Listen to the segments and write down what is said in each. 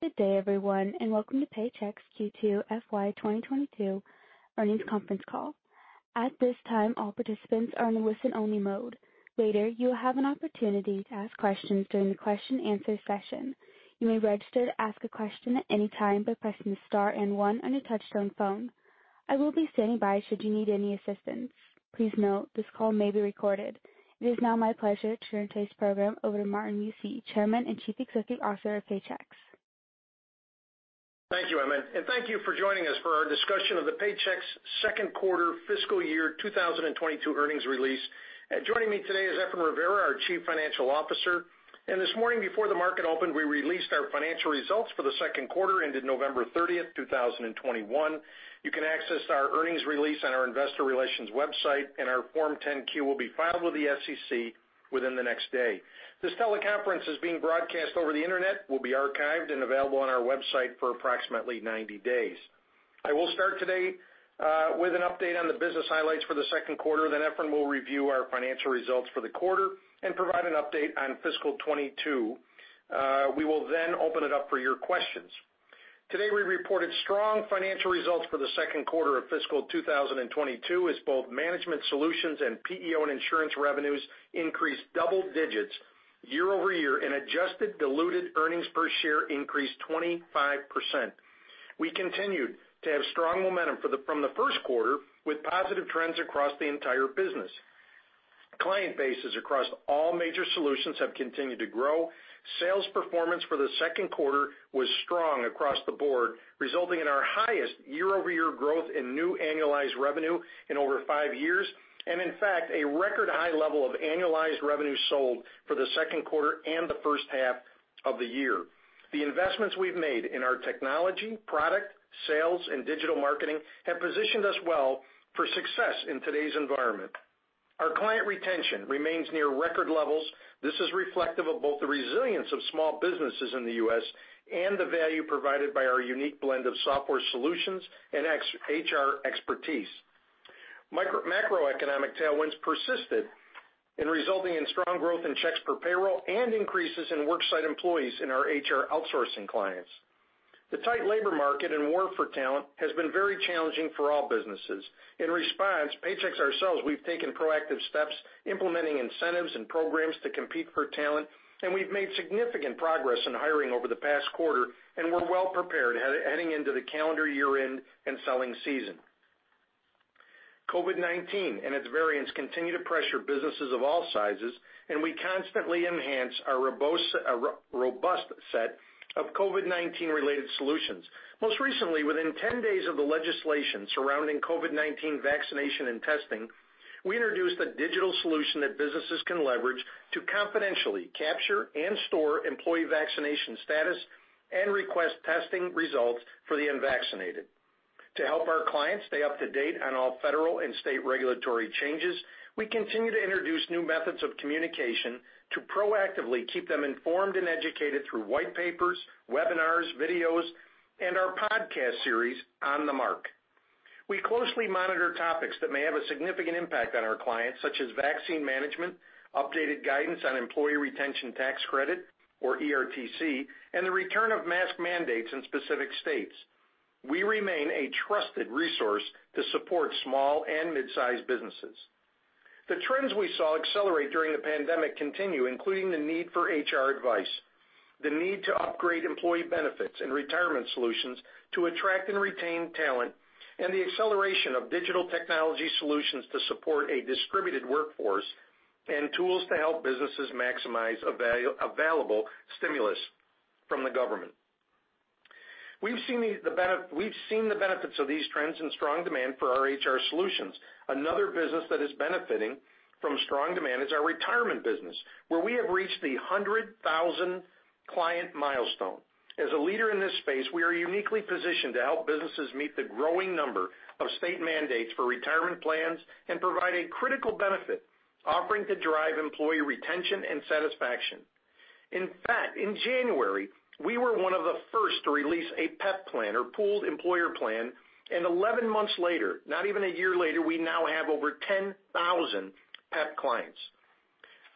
Good day, everyone, and welcome to Paychex Q2 FY 2022 earnings conference call. At this time, all participants are in listen-only mode. Later, you will have an opportunity to ask questions during the question answer session. You may register to ask a question at any time by pressing star and one on your touchtone phone. I will be standing by should you need any assistance. Please note, this call may be recorded. It is now my pleasure to turn today's program over to Martin Mucci, Chairman and Chief Executive Officer of Paychex. Thank you, Emma, and thank you for joining us for our discussion of the Paychex second quarter fiscal year 2022 earnings release. Joining me today is Efrain Rivera, our Chief Financial Officer. This morning before the market opened, we released our financial results for the second quarter ended November 30, 2021. You can access our earnings release on our investor relations website, and our Form 10-Q will be filed with the SEC within the next day. This teleconference is being broadcast over the Internet, will be archived and available on our website for approximately 90 days. I will start today with an update on the business highlights for the second quarter. Then Efrain will review our financial results for the quarter and provide an update on fiscal 2022. We will then open it up for your questions. Today, we reported strong financial results for the second quarter of fiscal 2022, as both management solutions and PEO and insurance revenues increased double digits year-over-year, and adjusted diluted earnings per share increased 25%. We continued to have strong momentum from the first quarter with positive trends across the entire business. Client bases across all major solutions have continued to grow. Sales performance for the second quarter was strong across the board, resulting in our highest year-over-year growth in new annualized revenue in over 5 years. In fact, a record high level of annualized revenue sold for the second quarter and the first half of the year. The investments we've made in our technology, product, sales, and digital marketing have positioned us well for success in today's environment. Our client retention remains near record levels. This is reflective of both the resilience of small businesses in the U.S. and the value provided by our unique blend of software solutions and HR expertise. Macroeconomic tailwinds persisted, resulting in strong growth in checks per payroll and increases in worksite employees in our HR outsourcing clients. The tight labor market and war for talent has been very challenging for all businesses. In response, Paychex ourselves, we've taken proactive steps, implementing incentives and programs to compete for talent, and we've made significant progress in hiring over the past quarter, and we're well prepared heading into the calendar year-end and selling season. COVID-19 and its variants continue to pressure businesses of all sizes, and we constantly enhance our robust set of COVID-19 related solutions. Most recently, within 10 days of the legislation surrounding COVID-19 vaccination and testing, we introduced a digital solution that businesses can leverage to confidentially capture and store employee vaccination status and request testing results for the unvaccinated. To help our clients stay up to date on all federal and state regulatory changes, we continue to introduce new methods of communication to proactively keep them informed and educated through white papers, webinars, videos, and our podcast series, On the Mark. We closely monitor topics that may have a significant impact on our clients, such as vaccine management, updated guidance on employee retention tax credit or ERTC, and the return of mask mandates in specific states. We remain a trusted resource to support small and mid-sized businesses. The trends we saw accelerate during the pandemic continue, including the need for HR advice, the need to upgrade employee benefits and retirement solutions to attract and retain talent, and the acceleration of digital technology solutions to support a distributed workforce and tools to help businesses maximize available stimulus from the government. We've seen the benefits of these trends and strong demand for our HR solutions. Another business that is benefiting from strong demand is our retirement business, where we have reached the 100,000 client milestone. As a leader in this space, we are uniquely positioned to help businesses meet the growing number of state mandates for retirement plans and provide a critical benefit offering to drive employee retention and satisfaction. In fact, in January, we were one of the first to release a PEP plan or pooled employer plan, and 11 months later, not even a year later, we now have over 10,000 PEP clients.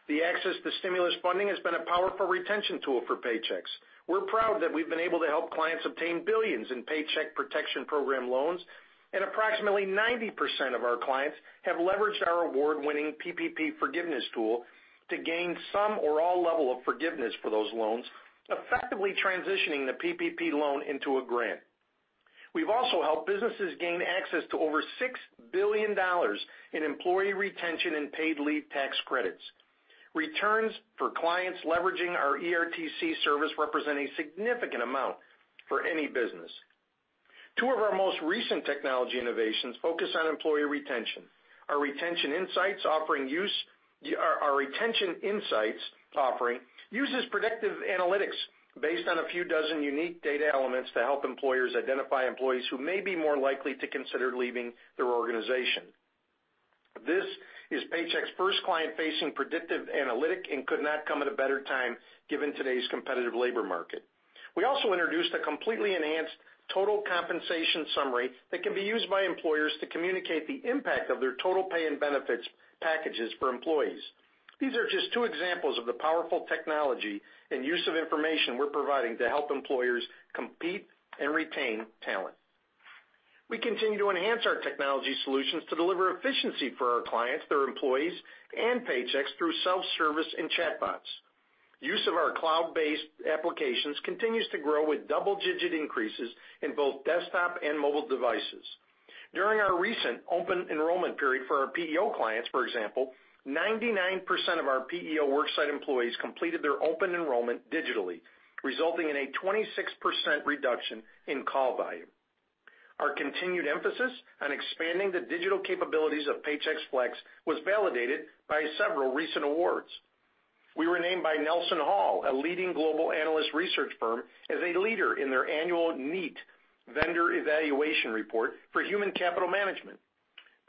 The access to stimulus funding has been a powerful retention tool for Paychex. We're proud that we've been able to help clients obtain billions in Paycheck Protection Program loans, and approximately 90% of our clients have leveraged our award-winning PPP forgiveness tool to gain some or all level of forgiveness for those loans, effectively transitioning the PPP loan into a grant. We've also helped businesses gain access to over $6 billion in employee retention and paid leave tax credits. Returns for clients leveraging our ERTC service represent a significant amount for any business. Two of our most recent technology innovations focus on employee retention. Our Retention Insights offering uses predictive analytics based on a few dozen unique data elements to help employers identify employees who may be more likely to consider leaving their organization. This is Paychex's first client-facing predictive analytic and could not come at a better time given today's competitive labor market. We also introduced a completely enhanced total compensation summary that can be used by employers to communicate the impact of their total pay and benefits packages for employees. These are just two examples of the powerful technology and use of information we're providing to help employers compete and retain talent. We continue to enhance our technology solutions to deliver efficiency for our clients, their employees, and Paychex through self-service and chatbots. Use of our cloud-based applications continues to grow with double-digit increases in both desktop and mobile devices. During our recent open enrollment period for our PEO clients, for example, 99% of our PEO worksite employees completed their open enrollment digitally, resulting in a 26% reduction in call volume. Our continued emphasis on expanding the digital capabilities of Paychex Flex was validated by several recent awards. We were named by NelsonHall, a leading global analyst research firm, as a leader in their annual NEAT Vendor Evaluation Report for Human Capital Management.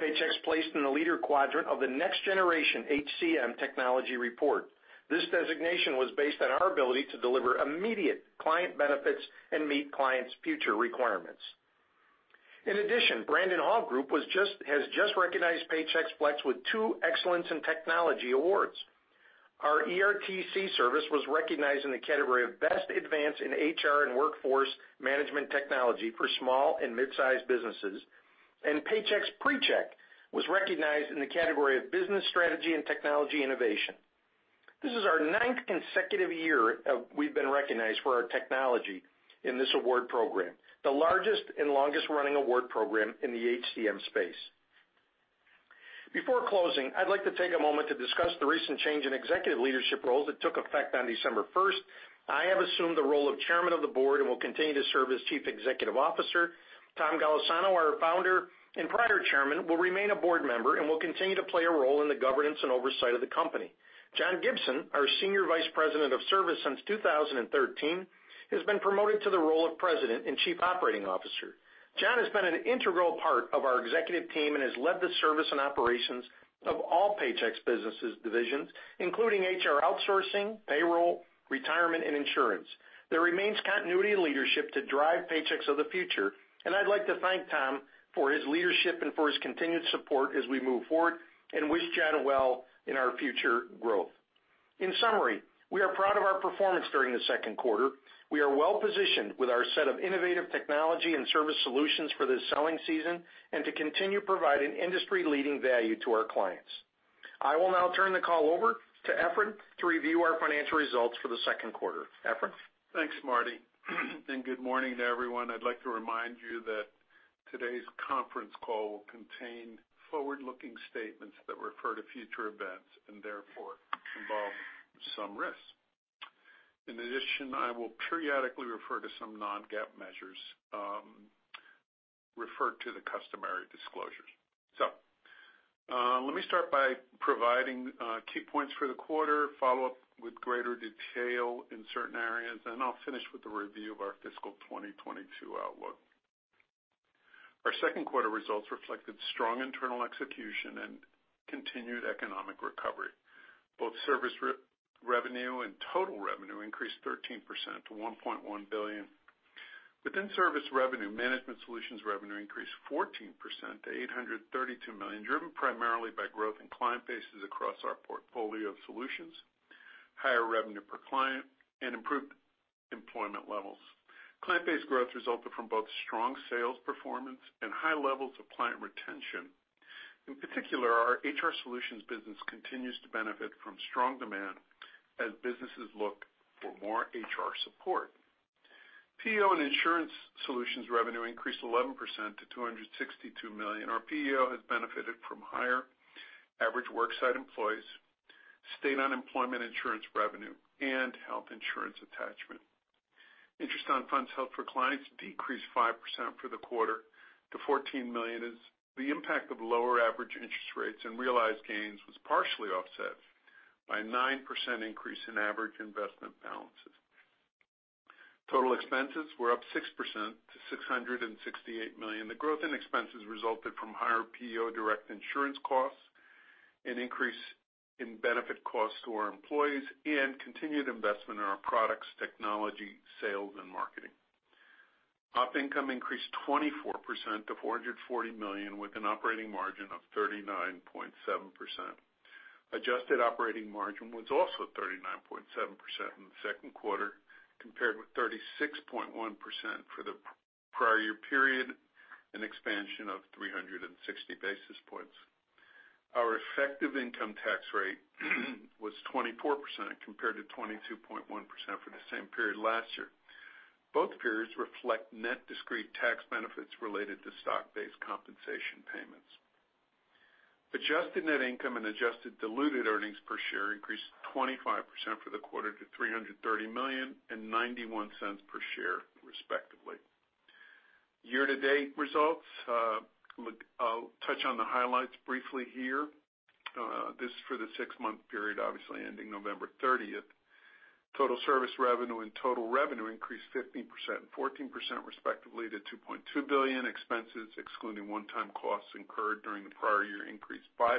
Paychex placed in the leader quadrant of the Next Generation HCM Technology Report. This designation was based on our ability to deliver immediate client benefits and meet clients' future requirements. In addition, Brandon Hall Group has just recognized Paychex Flex with two Excellence in Technology Awards. Our ERTC service was recognized in the category of Best Advance in HR and Workforce Management Technology for Small and Mid-Sized Businesses, and Paychex Pre-Check was recognized in the category of Business Strategy and Technology Innovation. This is our ninth consecutive year we've been recognized for our technology in this award program, the largest and longest-running award program in the HCM space. Before closing, I'd like to take a moment to discuss the recent change in executive leadership roles that took effect on December first. I have assumed the role of Chairman of the Board and will continue to serve as Chief Executive Officer. Tom Golisano, our founder and prior chairman, will remain a board member and will continue to play a role in the governance and oversight of the company. John Gibson, our Senior Vice President of Service since 2013, has been promoted to the role of President and Chief Operating Officer. John has been an integral part of our executive team and has led the service and operations of all Paychex businesses divisions, including HR outsourcing, payroll, retirement, and insurance. There remains continuity in leadership to drive Paychex of the future, and I'd like to thank Tom for his leadership and for his continued support as we move forward and wish John well in our future growth. In summary, we are proud of our performance during the second quarter. We are well-positioned with our set of innovative technology and service solutions for this selling season and to continue providing industry-leading value to our clients. I will now turn the call over to Efrain Rivera to review our financial results for the second quarter. Efrain Rivera? Thanks, Marty. Good morning to everyone. I'd like to remind you that today's conference call will contain forward-looking statements that refer to future events and therefore involve some risks. In addition, I will periodically refer to some non-GAAP measures, refer to the customary disclosures. Let me start by providing key points for the quarter, follow up with greater detail in certain areas, and I'll finish with a review of our fiscal 2022 outlook. Our second quarter results reflected strong internal execution and continued economic recovery. Both service revenue and total revenue increased 13% to $1.1 billion. Within service revenue, management solutions revenue increased 14% to $832 million, driven primarily by growth in client bases across our portfolio of solutions, higher revenue per client, and improved employment levels. Client base growth resulted from both strong sales performance and high levels of client retention. In particular, our HR solutions business continues to benefit from strong demand as businesses look for more HR support. PEO and insurance solutions revenue increased 11% to $262 million. Our PEO has benefited from higher average work site employees, state unemployment insurance revenue, and health insurance attachment. Interest on funds held for clients decreased 5% for the quarter to $14 million as the impact of lower average interest rates and realized gains was partially offset by 9% increase in average investment balances. Total expenses were up 6% to $668 million. The growth in expenses resulted from higher PEO direct insurance costs, an increase in benefit costs to our employees, and continued investment in our products, technology, sales, and marketing. Operating income increased 24% to $440 million, with an operating margin of 39.7%. Adjusted operating margin was also 39.7% in the second quarter, compared with 36.1% for the prior year period, an expansion of 360 basis points. Our effective income tax rate was 24%, compared to 22.1% for the same period last year. Both periods reflect net discrete tax benefits related to stock-based compensation payments. Adjusted net income and adjusted diluted earnings per share increased 25% for the quarter to $330 million and $0.91 per share, respectively. Year-to-date results, I'll touch on the highlights briefly here. This is for the six-month period, obviously ending November 30. Total service revenue and total revenue increased 15% and 14%, respectively, to $2.2 billion. Expenses, excluding one-time costs incurred during the prior year, increased 5%.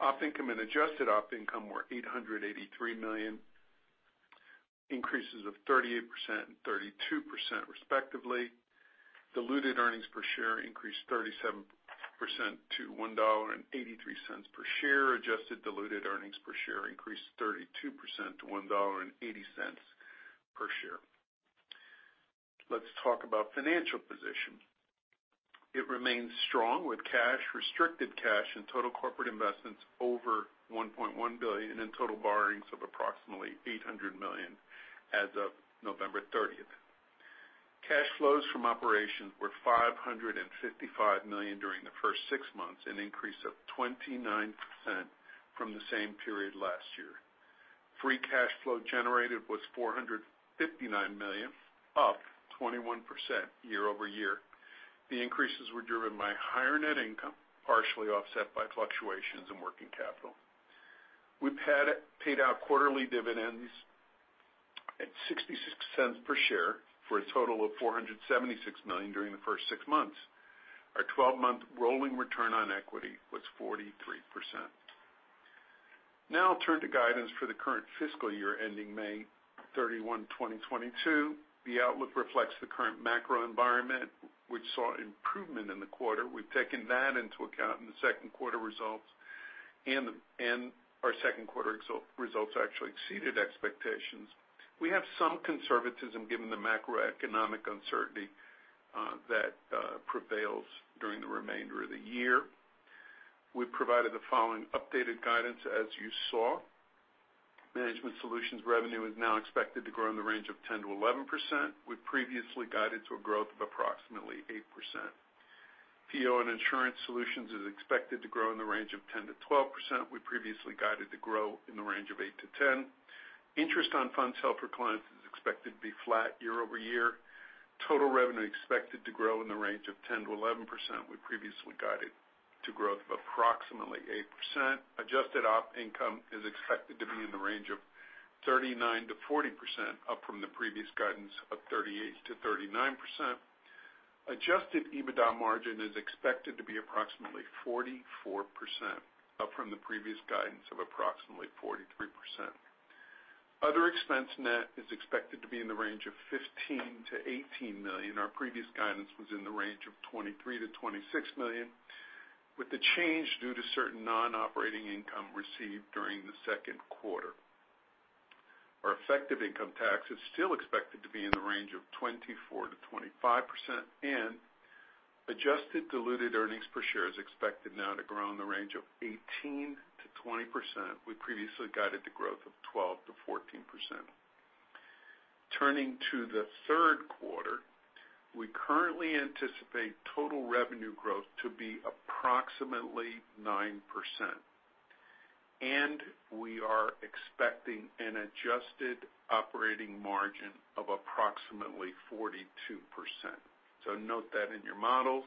Operating income and adjusted operating income were $883 million, increases of 38% and 32% respectively. Diluted earnings per share increased 37% to $1.83 per share. Adjusted diluted earnings per share increased 32% to $1.80 per share. Let's talk about financial position. It remains strong with cash, restricted cash and total corporate investments over $1.1 billion and total borrowings of approximately $800 million as of November 30th. Cash flows from operations were $555 million during the first six months, an increase of 29% from the same period last year. Free cash flow generated was $459 million, up 21% year-over-year. The increases were driven by higher net income, partially offset by fluctuations in working capital. We paid out quarterly dividends at $0.66 per share for a total of $476 million during the first 6 months. Our 12-month rolling return on equity was 43%. Now I'll turn to guidance for the current fiscal year ending May 31, 2022. The outlook reflects the current macro environment, which saw improvement in the quarter. We've taken that into account in the second quarter results, and our second quarter results actually exceeded expectations. We have some conservatism given the macroeconomic uncertainty that prevails during the remainder of the year. We've provided the following updated guidance as you saw. Management solutions revenue is now expected to grow in the range of 10%-11%. We previously guided to a growth of approximately 8%. PEO and insurance solutions is expected to grow in the range of 10%-12%. We previously guided to grow in the range of 8%-10%. Interest on funds held for clients is expected to be flat year-over-year. Total revenue expected to grow in the range of 10%-11%. We previously guided to growth of approximately 8%. Adjusted op income is expected to be in the range of 39%-40%, up from the previous guidance of 38%-39%. Adjusted EBITDA margin is expected to be approximately 44%, up from the previous guidance of approximately 43%. Other expense, net is expected to be in the range of $15 million-$18 million. Our previous guidance was in the range of $23 million-$26 million, with the change due to certain non-operating income received during the second quarter. Our effective income tax is still expected to be in the range of 24%-25%, and adjusted diluted earnings per share is expected now to grow in the range of 18%-20%. We previously guided the growth of 12%-14%. Turning to the third quarter, we currently anticipate total revenue growth to be approximately 9%, and we are expecting an adjusted operating margin of approximately 42%. Note that in your models.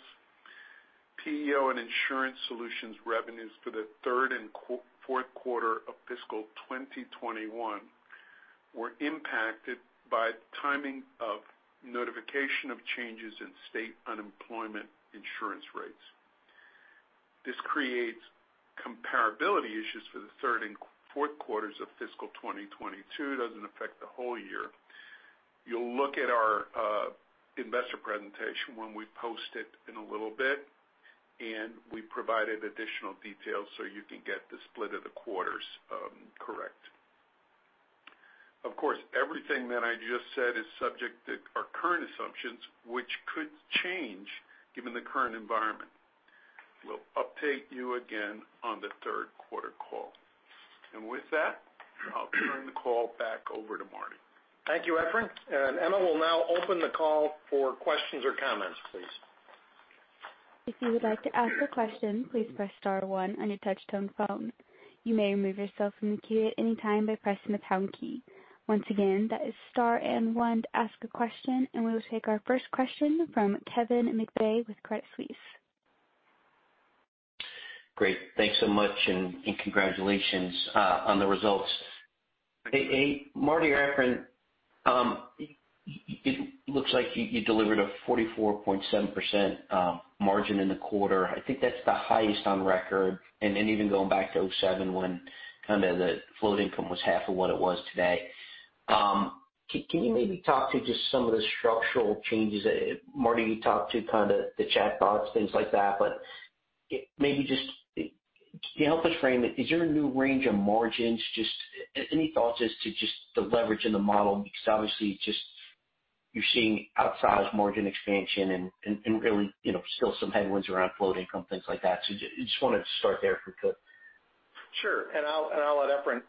PEO and insurance solutions revenues for the third and fourth quarter of fiscal 2021 were impacted by the timing of notification of changes in state unemployment insurance rates. This creates comparability issues for the third and fourth quarters of fiscal 2022. It doesn't affect the whole year. You'll look at our investor presentation when we post it in a little bit, and we provided additional details so you can get the split of the quarters correct. Of course, everything that I just said is subject to our current assumptions, which could change given the current environment. We'll update you again on the third quarter call. With that, I'll turn the call back over to Marty. Thank you, Efrain. Emma will now open the call for questions or comments, please. We will take our first question from Kevin McVeigh with Credit Suisse. Great. Thanks so much and congratulations on the results. Hey, Marty or Efrain, it looks like you delivered a 44.7% margin in the quarter. I think that's the highest on record, and then even going back to 2007 when kind of the float income was half of what it was today. Can you maybe talk to just some of the structural changes? Marty, you talked to kind of the chatbots, things like that, but maybe just can you help us frame it? Is there a new range of margins? Just any thoughts as to just the leverage in the model? Because obviously just you're seeing outsized margin expansion and really, you know, still some headwinds around float income, things like that. So just wanted to start there if we could. Sure. I'll let Efrain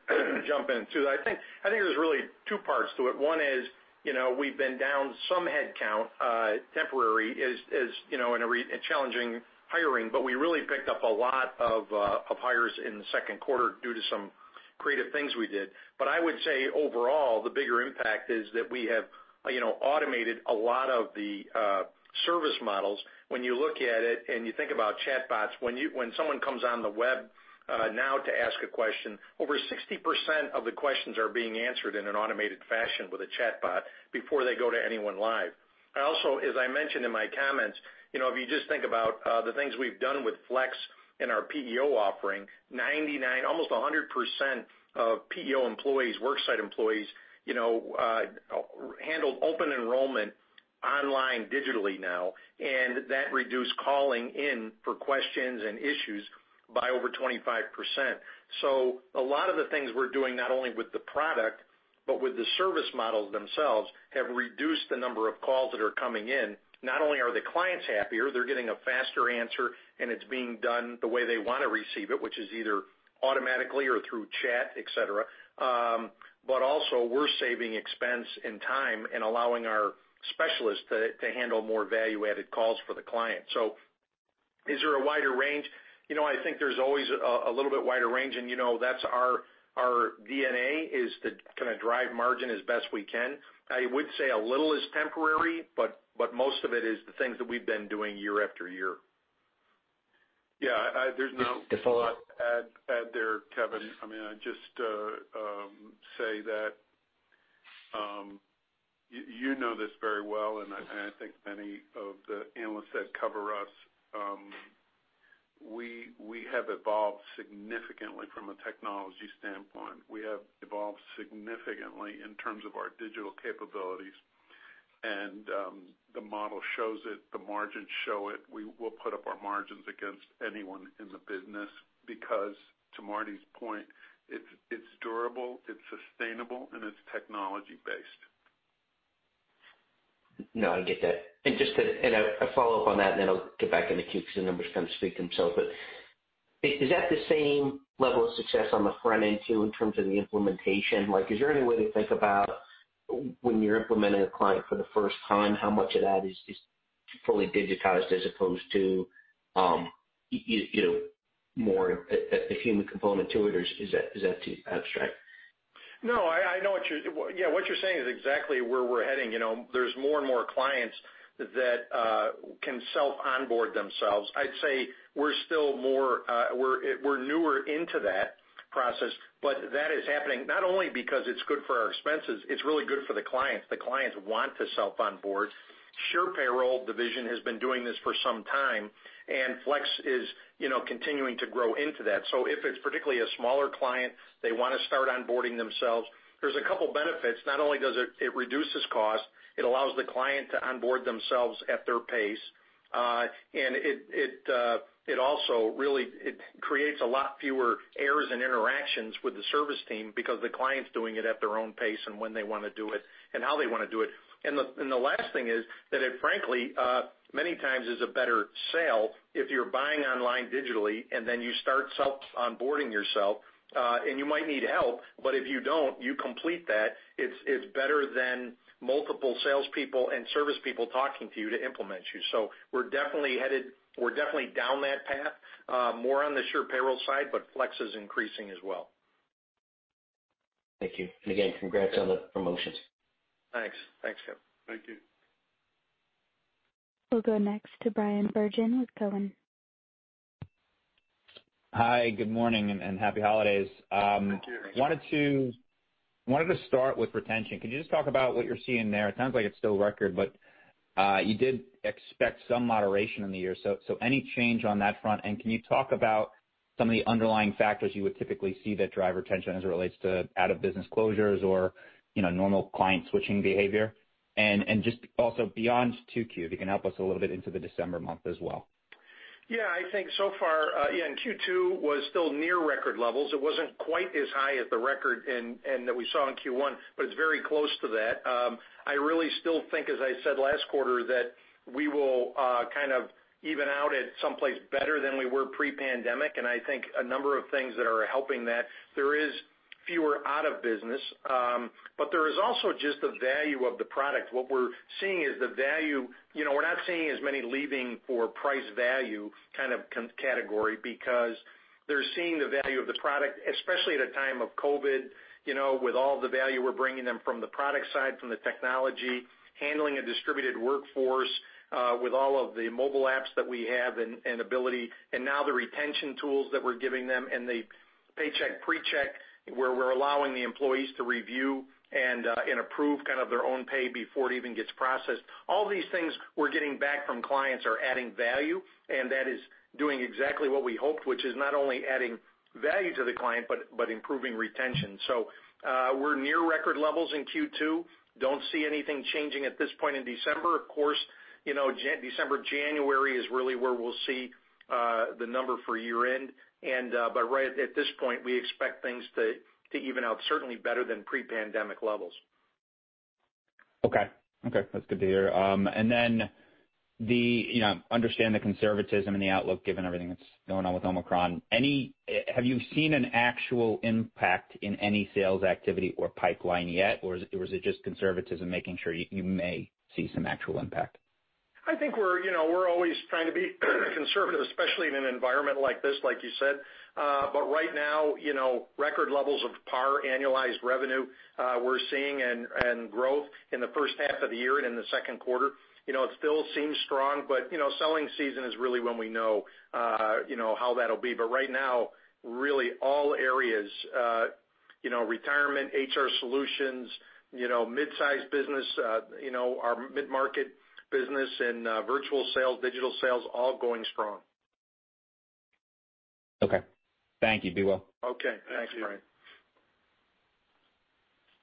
jump in, too. I think there's really two parts to it. One is, you know, we've been down some headcount, temporary as you know, in a challenging hiring, but we really picked up a lot of hires in the second quarter due to some creative things we did. I would say overall, the bigger impact is that we have, you know, automated a lot of the service models. When you look at it and you think about chatbots, when someone comes on the web now to ask a question, over 60% of the questions are being answered in an automated fashion with a chatbot before they go to anyone live. I also, as I mentioned in my comments, you know, if you just think about the things we've done with Flex and our PEO offering, 99%, almost 100% of PEO employees, worksite employees, you know, handle open enrollment online digitally now, and that reduced calling in for questions and issues by over 25%. A lot of the things we're doing not only with the product, but with the service models themselves, have reduced the number of calls that are coming in. Not only are the clients happier, they're getting a faster answer, and it's being done the way they wanna receive it, which is either automatically or through chat, et cetera. Also we're saving expense and time and allowing our specialists to handle more value-added calls for the client. Is there a wider range? You know, I think there's always a little bit wider range and, you know, that's our DNA is to kinda drive margin as best we can. I would say a little is temporary, but most of it is the things that we've been doing year after year. Yeah. There's not a lot to add there, Kevin. I mean, I'd just say that you know this very well, and I think many of the analysts that cover us, we have evolved significantly from a technology standpoint. We have evolved significantly in terms of our digital capabilities, and the model shows it, the margins show it. We will put up our margins against anyone in the business because to Marty's point, it's durable, it's sustainable, and it's technology-based. No, I get that. A follow-up on that, and then I'll get back in the queue 'cause the numbers kind of speak themselves. Is that the same level of success on the front end too, in terms of the implementation? Like, is there any way to think about when you're implementing a client for the first time, how much of that is fully digitized as opposed to you know, more a human component to it, or is that too abstract? No, I know what you're saying is exactly where we're heading. You know, there's more and more clients that can self-onboard themselves. I'd say we're still newer into that process, but that is happening not only because it's good for our expenses, it's really good for the clients. The clients want to self-onboard. SurePayroll division has been doing this for some time, and Flex is, you know, continuing to grow into that. If it's particularly a smaller client, they wanna start onboarding themselves, there's a couple benefits. Not only does it reduce cost, it allows the client to onboard themselves at their pace. It also really creates a lot fewer errors and interactions with the service team because the client's doing it at their own pace and when they wanna do it and how they wanna do it. The last thing is that it frankly many times is a better sale if you're buying online digitally and then you start self-onboarding yourself and you might need help, but if you don't, you complete that. It's better than multiple salespeople and service people talking to you to implement you. We're definitely down that path, more on the SurePayroll side, but Flex is increasing as well. Thank you. Again, congrats on the promotions. Thanks. Thanks, Kevin. Thank you. We'll go next to Bryan Bergin with Cowen. Hi, good morning and happy holidays. Thank you. Wanted to start with retention. Could you just talk about what you're seeing there? It sounds like it's still record, but you did expect some moderation in the year. So any change on that front? And can you talk about some of the underlying factors you would typically see that drive retention as it relates to out of business closures or, you know, normal client switching behavior? And just also beyond 2Q, if you can help us a little bit into the December month as well. Yeah. I think so far, yeah, in Q2 was still near record levels. It wasn't quite as high as the record and that we saw in Q1, but it's very close to that. I really still think, as I said last quarter, that we will kind of even out at some place better than we were pre-pandemic, and I think a number of things that are helping that. There is fewer out of business, but there is also just the value of the product. What we're seeing is the value. You know, we're not seeing as many leaving for price value kind of category because they're seeing the value of the product, especially at a time of COVID, you know, with all the value we're bringing them from the product side, from the technology, handling a distributed workforce, with all of the mobile apps that we have and ability, and now the retention tools that we're giving them and the Paychex Pre-Check, where we're allowing the employees to review and approve kind of their own pay before it even gets processed. All these things we're getting back from clients are adding value, and that is doing exactly what we hoped, which is not only adding value to the client, but improving retention. We're near record levels in Q2. Don't see anything changing at this point in December. Of course, you know, December, January is really where we'll see the number for year-end. Right at this point, we expect things to even out certainly better than pre-pandemic levels. Okay. Okay, that's good to hear. I, you know, understand the conservatism and the outlook given everything that's going on with Omicron. Have you seen an actual impact in any sales activity or pipeline yet, or is it just conservatism, making sure you may see some actual impact? I think we're, you know, we're always trying to be conservative, especially in an environment like this, like you said. Right now, you know, record levels of PAR annualized revenue, we're seeing and growth in the first half of the year and in the second quarter. You know, it still seems strong, but, you know, selling season is really when we know, you know, how that'll be. Right now, really all areas. You know, retirement, HR solutions, you know, mid-sized business, you know, our mid-market business and virtual sales, digital sales, all going strong. Okay. Thank you. Be well. Okay. Thanks, Bryan.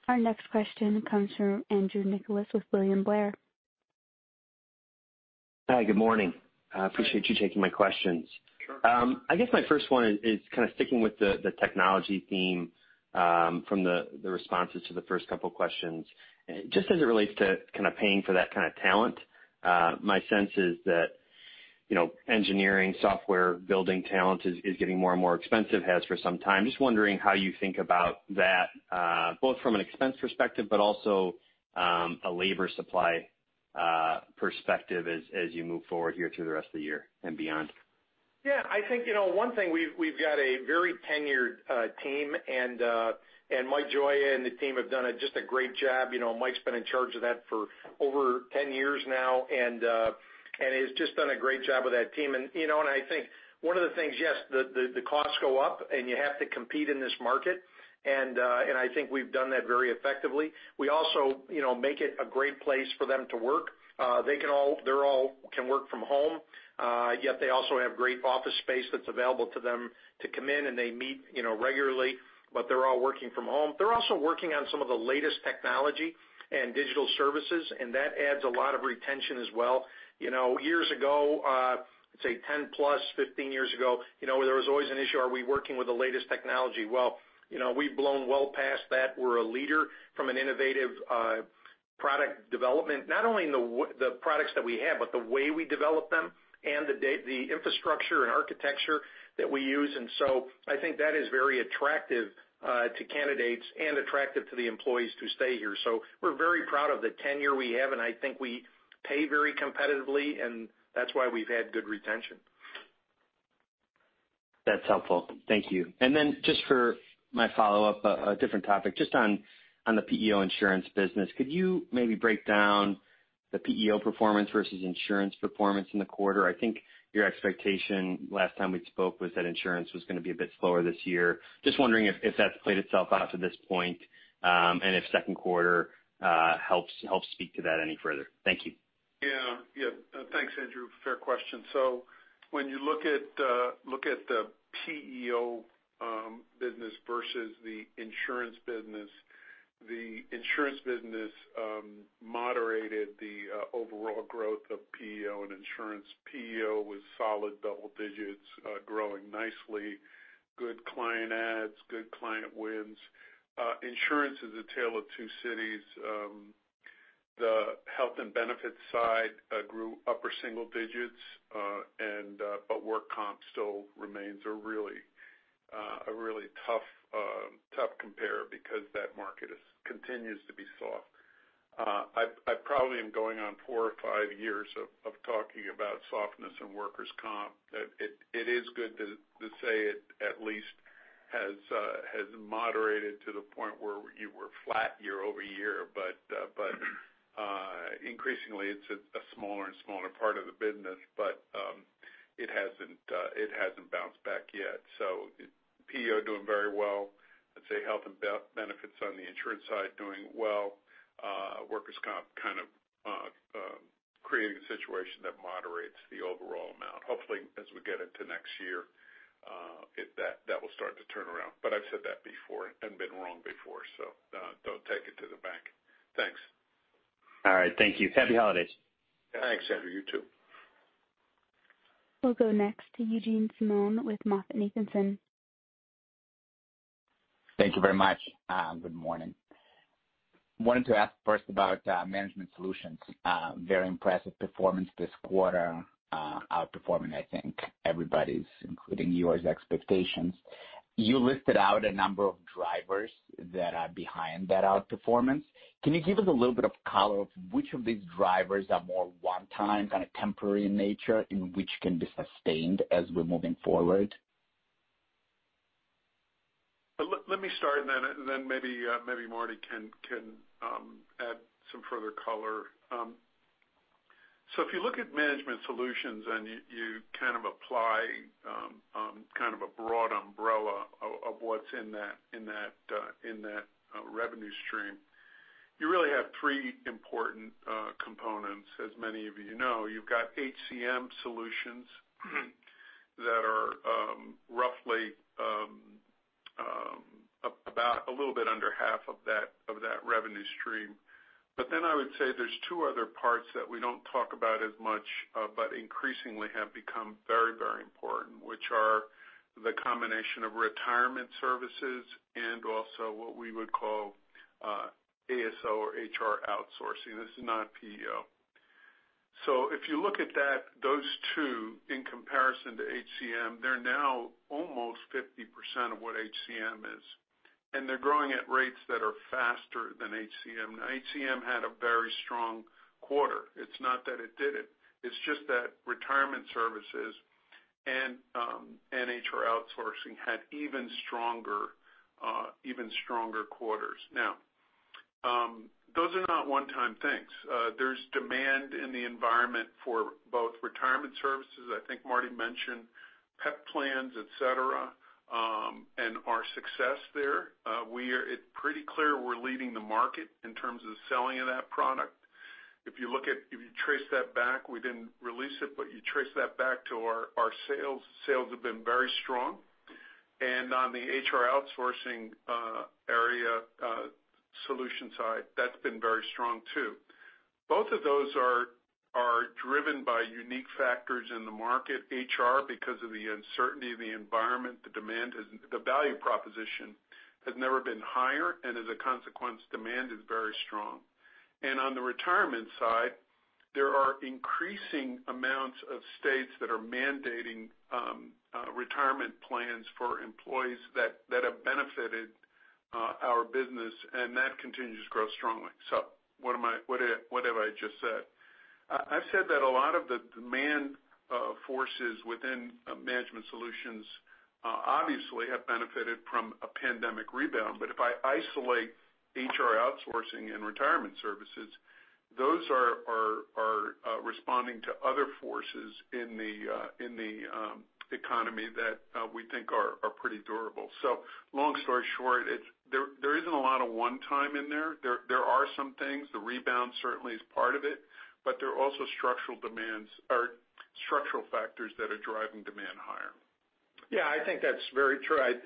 Our next question comes from Andrew Nicholas with William Blair. Hi, good morning. I appreciate you taking my questions. Sure. I guess my first one is kind of sticking with the technology theme from the responses to the first couple questions. Just as it relates to kind of paying for that kind of talent, my sense is that, you know, engineering, software, building talent is getting more and more expensive, has for some time. Just wondering how you think about that, both from an expense perspective, but also a labor supply perspective as you move forward here through the rest of the year and beyond. Yeah, I think, you know, one thing, we've got a very tenured team, and Mike Gioja and the team have done just a great job. You know, Mike's been in charge of that for over 10 years now, and he's just done a great job with that team. You know, I think one of the things, yes, the costs go up, and you have to compete in this market, and I think we've done that very effectively. We also, you know, make it a great place for them to work. They all can work from home, yet they also have great office space that's available to them to come in, and they meet, you know, regularly, but they're all working from home. They're also working on some of the latest technology and digital services, and that adds a lot of retention as well. You know, years ago, say 10-plus, 15 years ago, you know, there was always an issue, are we working with the latest technology? Well, you know, we've blown well past that. We're a leader from an innovative product development, not only in the products that we have, but the way we develop them and the infrastructure and architecture that we use. I think that is very attractive to candidates and attractive to the employees to stay here. We're very proud of the tenure we have, and I think we pay very competitively, and that's why we've had good retention. That's helpful. Thank you. Just for my follow-up, a different topic, just on the PEO insurance business. Could you maybe break down the PEO performance versus insurance performance in the quarter? I think your expectation last time we spoke was that insurance was gonna be a bit slower this year. Just wondering if that's played itself out to this point, and if second quarter helps speak to that any further. Thank you. Thanks, Andrew. Fair question. When you look at the PEO business versus the insurance business, the insurance business moderated the overall growth of PEO and insurance. PEO was solid double digits, growing nicely, good client adds, good client wins. Insurance is a tale of two cities. The health and benefits side grew upper single digits, but workers' comp still remains a really tough compare because that market continues to be soft. I probably am going on four or five years of talking about softness in workers' comp. It is good to say it at least has moderated to the point where you were flat year-over-year. Increasingly it's a smaller and smaller part of the business, but it hasn't bounced back yet. PEO doing very well. I'd say health and benefits on the insurance side doing well. Workers' comp kind of creating a situation that moderates the overall amount. Hopefully, as we get into next year, that will start to turn around. I've said that before and been wrong before, don't take it to the bank. Thanks. All right, thank you. Happy holidays. Thanks, Andrew. You too. We'll go next to Eugene Simuni with MoffettNathanson. Thank you very much. Good morning. I wanted to ask first about Management Solutions. Very impressive performance this quarter, outperforming, I think, everybody's, including yours, expectations. You listed out a number of drivers that are behind that outperformance. Can you give us a little bit of color of which of these drivers are more one-time, kind of temporary in nature, and which can be sustained as we're moving forward? Let me start, and then maybe Marty can add some further color. If you look at management solutions and you kind of apply kind of a broad umbrella of what's in that revenue stream, you really have three important components as many of you know. You've got HCM solutions that are roughly about a little bit under half of that revenue stream. I would say there's two other parts that we don't talk about as much, but increasingly have become very, very important, which are the combination of retirement services and also what we would call ASO or HR outsourcing. This is not PEO. If you look at that, those two in comparison to HCM, they're now almost 50% of what HCM is, and they're growing at rates that are faster than HCM. HCM had a very strong quarter. It's not that it didn't. It's just that retirement services and HR outsourcing had even stronger quarters. Those are not one-time things. There's demand in the environment for both retirement services. I think Marty mentioned PEP plans, et cetera, and our success there. It's pretty clear we're leading the market in terms of selling of that product. If you trace that back, we didn't release it, but you trace that back to our sales. Sales have been very strong. On the HR outsourcing area, solution side, that's been very strong too. Both of those are driven by unique factors in the market. HR, because of the uncertainty of the environment, the value proposition has never been higher, and as a consequence, demand is very strong. On the retirement side, there are increasing amounts of states that are mandating retirement plans for employees that have benefited our business, and that continues to grow strongly. What have I just said? I've said that a lot of the demand forces within Management Solutions obviously have benefited from a pandemic rebound, but if I isolate HR outsourcing and retirement services, those are responding to other forces in the economy that we think are pretty durable. Long story short, there isn't a lot of one-time in there. There are some things, the rebound certainly is part of it, but there are also structural demands or structural factors that are driving demand higher. Yeah, I think that's very true. As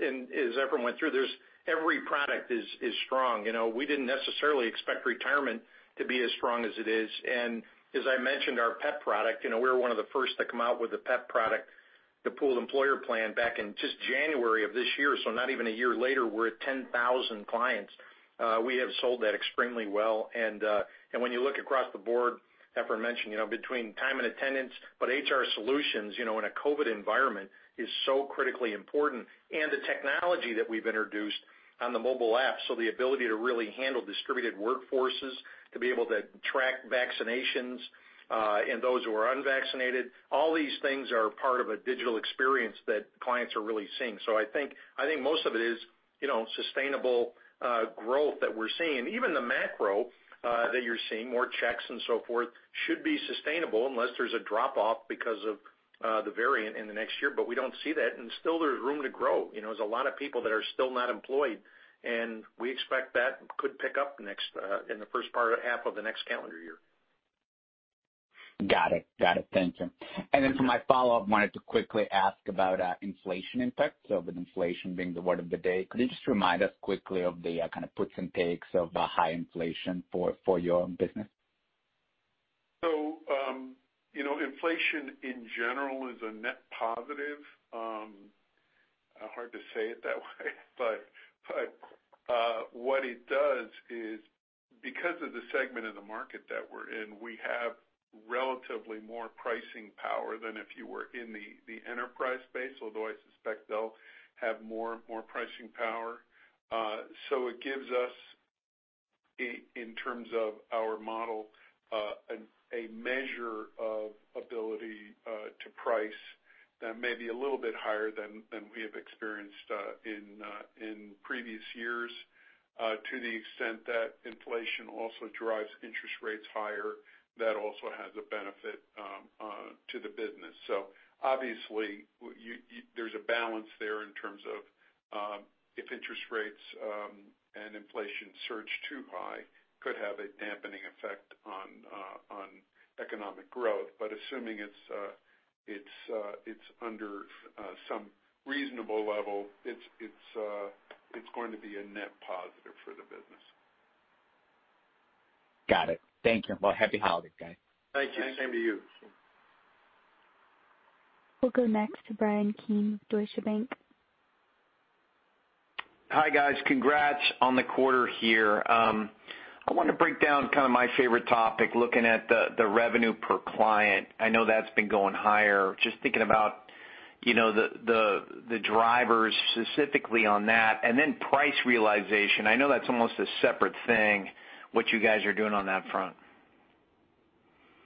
Efrain went through, there's every product is strong. You know, we didn't necessarily expect retirement to be as strong as it is. As I mentioned, our PEP product, you know, we're one of the first to come out with a PEP product, the pooled employer plan, back in just January of this year, so not even a year later, we're at 10,000 clients. We have sold that extremely well. And when you look across the board, Efrain mentioned, you know, between time and attendance, but HR solutions, you know, in a COVID environment is so critically important. The technology that we've introduced on the mobile app, so the ability to really handle distributed workforces, to be able to track vaccinations, and those who are unvaccinated, all these things are part of a digital experience that clients are really seeing. I think most of it is, you know, sustainable growth that we're seeing. Even the macro that you're seeing, more checks and so forth, should be sustainable unless there's a drop off because of the variant in the next year. We don't see that, and still there's room to grow. You know, there's a lot of people that are still not employed, and we expect that could pick up next in the first part or half of the next calendar year. Got it. Thank you. For my follow-up, wanted to quickly ask about inflation impact. With inflation being the word of the day, could you just remind us quickly of the kind of puts and takes of high inflation for your business? You know, inflation in general is a net positive. Hard to say it that way, but what it does is because of the segment of the market that we're in, we have relatively more pricing power than if you were in the enterprise space, although I suspect they'll have more pricing power. It gives us in terms of our model a measure of ability to price that may be a little bit higher than we have experienced in previous years. To the extent that inflation also drives interest rates higher, that also has a benefit to the business. Obviously, there's a balance there in terms of if interest rates and inflation surge too high could have a dampening effect on economic growth. Assuming it's under some reasonable level, it's going to be a net positive for the business. Got it. Thank you. Well, happy holidays, guys. Thank you. Same to you. Thank you. We'll go next to Bryan Keane, Deutsche Bank. Hi, guys. Congrats on the quarter here. I wanna break down kind of my favorite topic, looking at the revenue per client. I know that's been going higher. Just thinking about, you know, the drivers specifically on that, and then price realization. I know that's almost a separate thing, what you guys are doing on that front.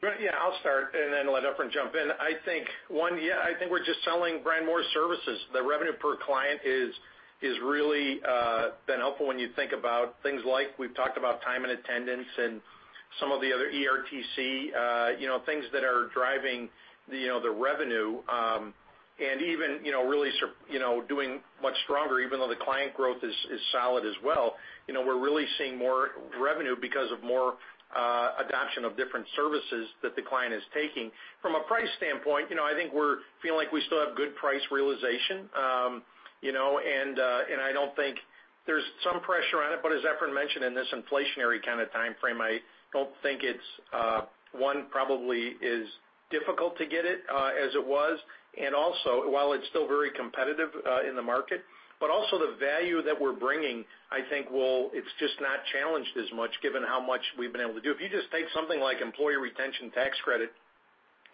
Bryan, yeah, I'll start and then let Efrain jump in. I think, one, yeah, I think we're just selling, Bryan, more services. The revenue per client is really been helpful when you think about things like we've talked about time and attendance and some of the other ERTC, you know, things that are driving, you know, the revenue. Even, you know, really you know, doing much stronger even though the client growth is solid as well. You know, we're really seeing more revenue because of more adoption of different services that the client is taking. From a price standpoint, you know, I think we're feeling like we still have good price realization. You know, and I don't think... There's some pressure on it, but as Efrain mentioned, in this inflationary kind of timeframe, I don't think it's probably difficult to get it as it was, and also while it's still very competitive in the market. Also the value that we're bringing, I think it's just not challenged as much given how much we've been able to do. If you just take something like employee retention tax credit,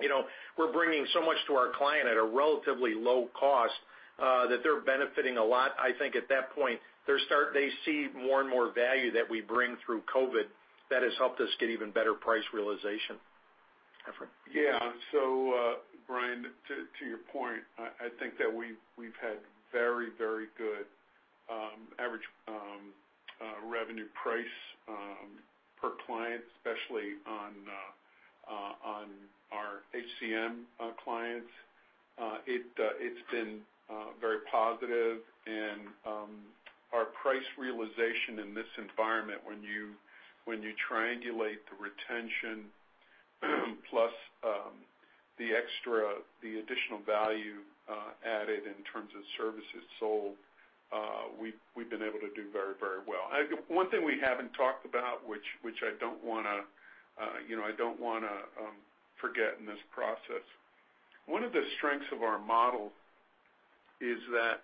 you know, we're bringing so much to our client at a relatively low cost that they're benefiting a lot. I think at that point, they see more and more value that we bring through COVID that has helped us get even better price realization. Bryan, to your point, I think that we've had very, very good average revenue per client, especially on our HCM clients. It's been very positive and our price realization in this environment when you triangulate the retention plus the additional value added in terms of services sold, we've been able to do very, very well. One thing we haven't talked about, which I don't wanna, you know, forget in this process, one of the strengths of our model is that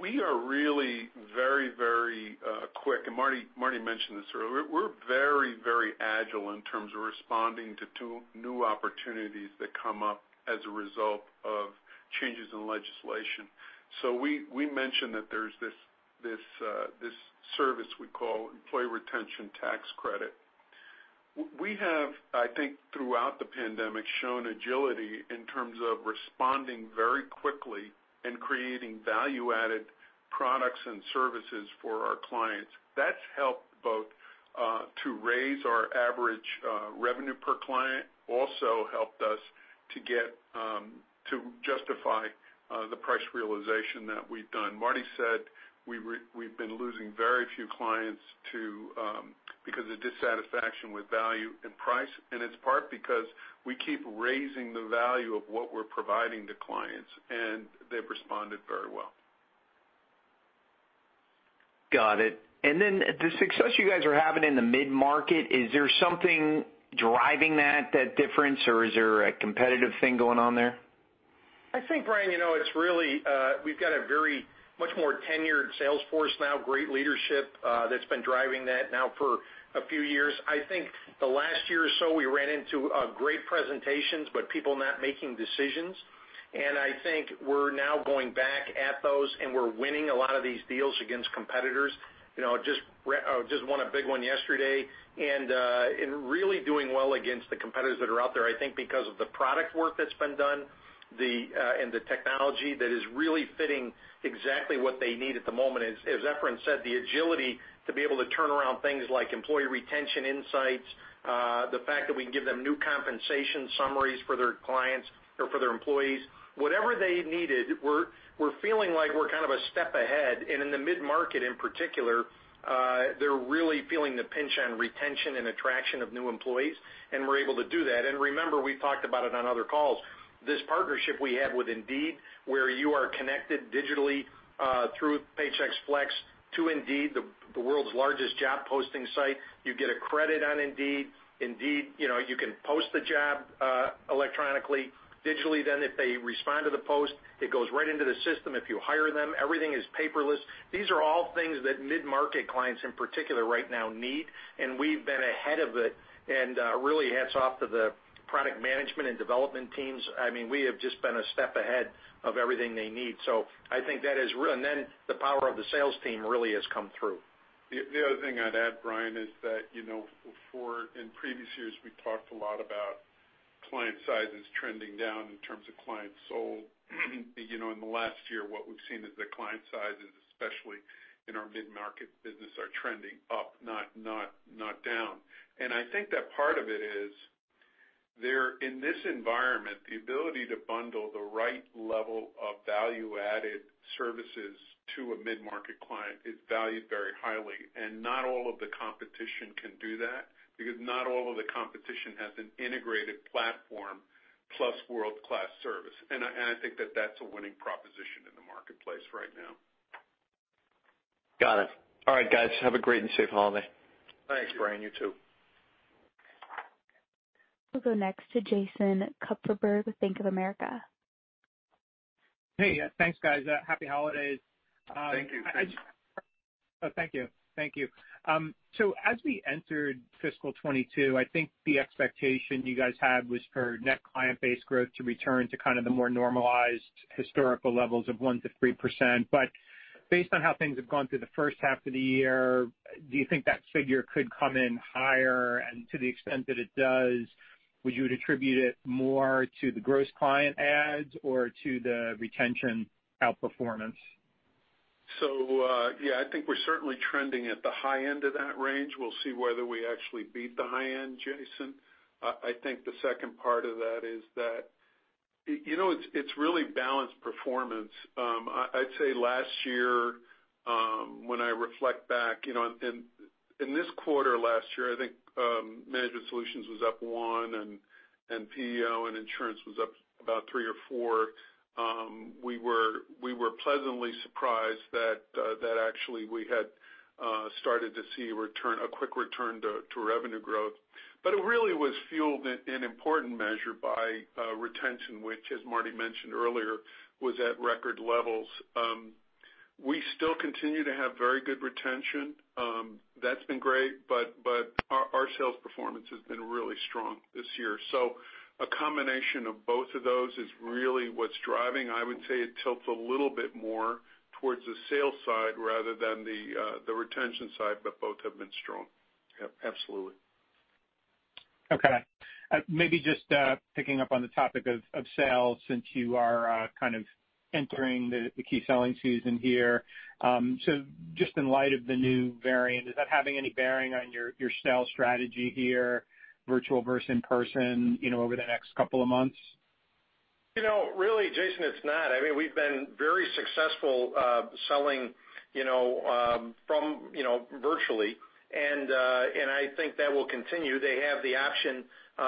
we are really very, very quick, and Marty mentioned this earlier. We're very, very agile in terms of responding to new opportunities that come up as a result of changes in legislation. We mentioned that there's this service we call employee retention tax credit. We have, I think, throughout the pandemic, shown agility in terms of responding very quickly and creating value-added products and services for our clients. That's helped both to raise our average revenue per client, also helped us to get to justify the price realization that we've done. Marty said we've been losing very few clients to because of dissatisfaction with value and price, and it's part because we keep raising the value of what we're providing to clients, and they've responded very well. Got it. The success you guys are having in the mid-market, is there something driving that difference, or is there a competitive thing going on there? I think, Bryan, you know, it's really, we've got a very much more tenured sales force now, great leadership, that's been driving that now for a few years. I think the last year or so, we ran into, great presentations, but people not making decisions. I think we're now going back at those, and we're winning a lot of these deals against competitors. You know, just won a big one yesterday and really doing well against the competitors that are out there, I think because of the product work that's been done, the, and the technology that is really fitting exactly what they need at the moment. As Efrain said, the agility to be able to turn around things like employee retention insights, the fact that we can give them new compensation summaries for their clients or for their employees, whatever they needed, we're feeling like we're kind of a step ahead. In the mid-market in particular, they're really feeling the pinch on retention and attraction of new employees, and we're able to do that. Remember, we've talked about it on other calls, this partnership we have with Indeed, where you are connected digitally through Paychex Flex to Indeed, the world's largest job posting site. You get a credit on Indeed. Indeed, you know, you can post the job electronically, digitally. If they respond to the post, it goes right into the system. If you hire them, everything is paperless. These are all things that mid-market clients in particular right now need, and we've been ahead of it. Really hats off to the product management and development teams. I mean, we have just been a step ahead of everything they need. I think that is real. Then the power of the sales team really has come through. The other thing I'd add, Bryan, is that, you know, in previous years, we talked a lot about client sizes trending down in terms of clients sold. You know, in the last year, what we've seen is the client sizes, especially in our mid-market business, are trending up, not down. I think that part of it is in this environment, the ability to bundle the right level of value-added services to a mid-market client is valued very highly. Not all of the competition can do that because not all of the competition has an integrated platform plus world-class service. I think that that's a winning proposition in the marketplace right now. Got it. All right, guys, have a great and safe holiday. Thanks. Bryan, you too. We'll go next to Jason Kupferberg, Bank of America. Hey. Thanks, guys. Happy holidays. Thank you. Oh, thank you. As we entered FY 2022, I think the expectation you guys had was for net client base growth to return to kind of the more normalized historical levels of 1%-3%. But based on how things have gone through the first half of the year, do you think that figure could come in higher? To the extent that it does, would you attribute it more to the gross client adds or to the retention outperformance? Yeah, I think we're certainly trending at the high end of that range. We'll see whether we actually beat the high end, Jason. I think the second part of that is that, you know, it's really balanced performance. I'd say last year, when I reflect back, you know, in this quarter last year, I think Management Solutions was up 1% and PEO and Insurance was up about 3% or 4%. We were pleasantly surprised that actually we had started to see a quick return to revenue growth. It really was fueled in important measure by retention, which as Marty mentioned earlier, was at record levels. We still continue to have very good retention. That's been great, but our sales performance has been really strong this year. A combination of both of those is really what's driving. I would say it tilts a little bit more towards the sales side rather than the retention side, but both have been strong. Absolutely. Okay. Maybe just picking up on the topic of sales since you are kind of entering the key selling season here. So just in light of the new variant, is that having any bearing on your sales strategy here, virtual versus in-person, you know, over the next couple of months? You know, really, Jason, it's not. I mean, we've been very successful, selling, you know, from, you know, virtually. I think that will continue. They have the option,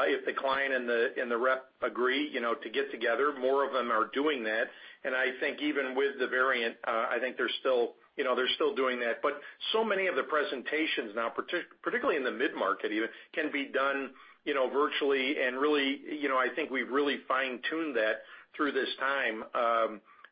if the client and the rep agree, you know, to get together, more of them are doing that. I think even with the variant, I think they're still doing that. So many of the presentations now, particularly in the mid-market even, can be done, you know, virtually and really, you know, I think we've really fine-tuned that through this time.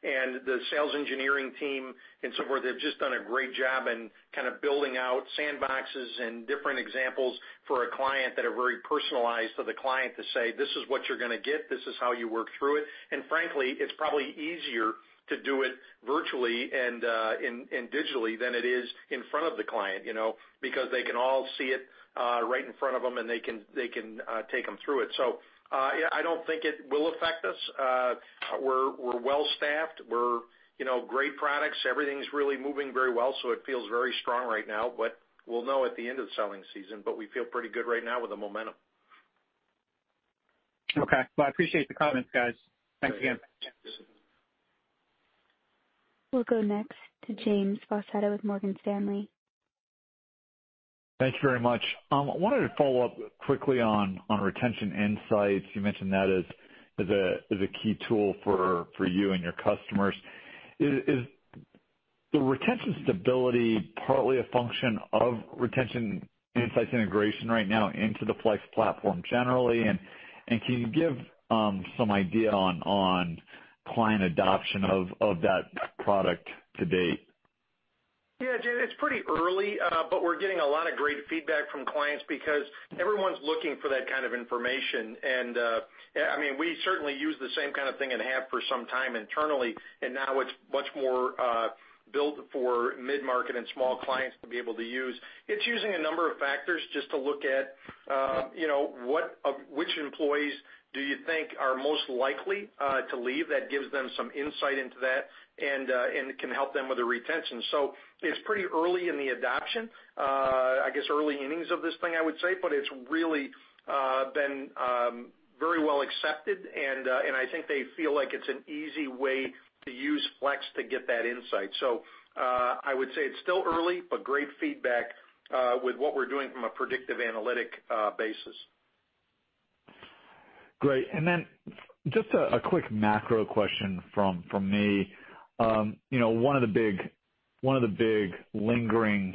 The sales engineering team and so forth, they've just done a great job in kind of building out sandboxes and different examples for a client that are very personalized to the client to say, "This is what you're gonna get. This is how you work through it." Frankly, it's probably easier to do it virtually and digitally than it is in front of the client, you know. Because they can all see it right in front of them, and they can take them through it. Yeah, I don't think it will affect us. We're well-staffed. You know, great products. Everything's really moving very well, so it feels very strong right now. We'll know at the end of the selling season. We feel pretty good right now with the momentum. Okay. Well, I appreciate the comments, guys. Thanks again. Thanks. We'll go next to James Faucette with Morgan Stanley. Thanks very much. I wanted to follow up quickly on Retention Insights. You mentioned that as a key tool for you and your customers. Is the retention stability partly a function of Retention Insights integration right now into the Flex platform generally? Can you give some idea on client adoption of that product to date? Yeah, James, it's pretty early, but we're getting a lot of great feedback from clients because everyone's looking for that kind of information. Yeah, I mean, we certainly use the same kind of thing and have for some time internally, and now it's much more built for mid-market and small clients to be able to use. It's using a number of factors just to look at, you know, which employees do you think are most likely to leave. That gives them some insight into that, and it can help them with the retention. It's pretty early in the adoption. I guess early innings of this thing, I would say, but it's really been very well accepted, and I think they feel like it's an easy way to use Flex to get that insight. I would say it's still early, but great feedback with what we're doing from a predictive analytics basis. Great. Then just a quick macro question from me. You know, one of the big lingering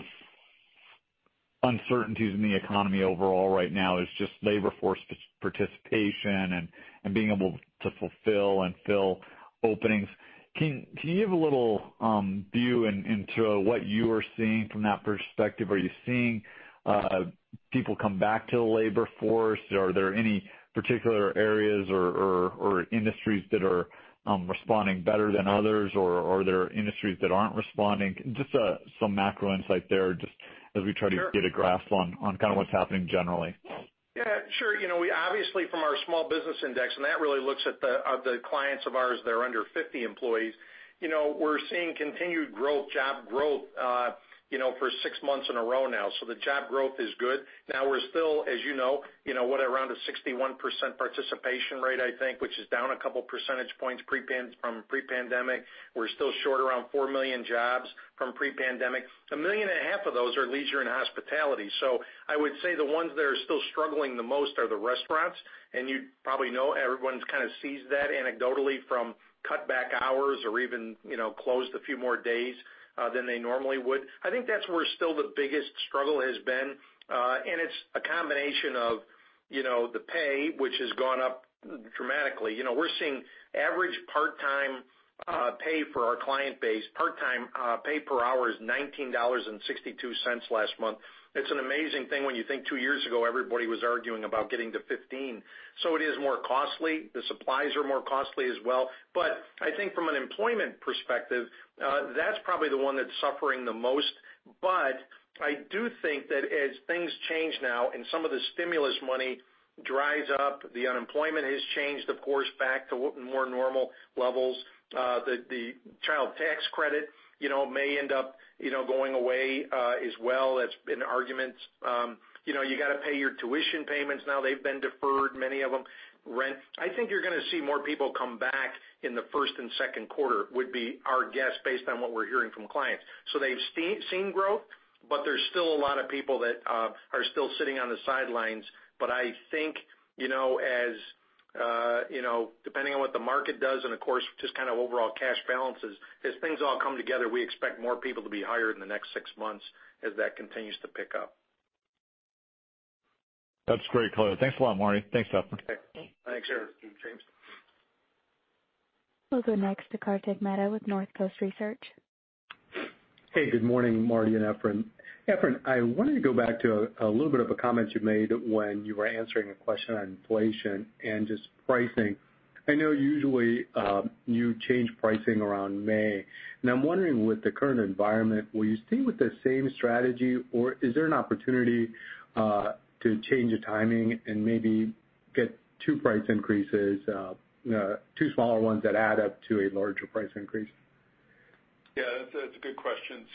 uncertainties in the economy overall right now is just labor force participation and being able to fill openings. Can you give a little view into what you are seeing from that perspective? Are you seeing people come back to the labor force? Are there any particular areas or industries that are responding better than others, or are there industries that aren't responding? Just some macro insight there, just as we try to Sure. Get a grasp on kind of what's happening generally. Yeah, sure. You know, we obviously from our small business index, and that really looks at the clients of ours that are under 50 employees. You know, we're seeing continued growth, job growth, you know, for 6 months in a row now. So the job growth is good. Now, we're still, as you know, around a 61% participation rate, I think, which is down a couple percentage points from pre-pandemic. We're still short around 4 million jobs from pre-pandemic. 1.5 million of those are leisure and hospitality. So I would say the ones that are still struggling the most are the restaurants. You probably know everyone kind of sees that anecdotally from cut back hours or even, you know, closed a few more days than they normally would. I think that's where still the biggest struggle has been. It's a combination of, you know, the pay, which has gone up dramatically. You know, we're seeing average part-time pay for our client base per hour is $19.62 last month. It's an amazing thing when you think two years ago, everybody was arguing about getting to $15. It is more costly. The supplies are more costly as well. I think from an employment perspective, that's probably the one that's suffering the most. I do think that as things change now and some of the stimulus money dries up, the unemployment has changed, of course, back to more normal levels. The child tax credit, you know, may end up, you know, going away as well. That's been arguments. You know, you gotta pay your tuition payments now. They've been deferred, many of them. Rent. I think you're gonna see more people come back in the first and second quarter, would be our guess based on what we're hearing from clients. They've seen growth, but there's still a lot of people that are still sitting on the sidelines. I think, you know, as you know, depending on what the market does and of course, just kind of overall cash balances, as things all come together, we expect more people to be hired in the next six months as that continues to pick up. That's great clarity. Thanks a lot, Marty. Thanks, Faucette. We'll go next to Kartik Mehta with Northcoast Research. Hey, good morning, Marty and Efrain. Efrain, I wanted to go back to a little bit of a comment you made when you were answering a question on inflation and just pricing. I know usually you change pricing around May, and I'm wondering, with the current environment, will you stay with the same strategy, or is there an opportunity to change the timing and maybe get two price increases, two smaller ones that add up to a larger price increase? Yeah, that's a good question.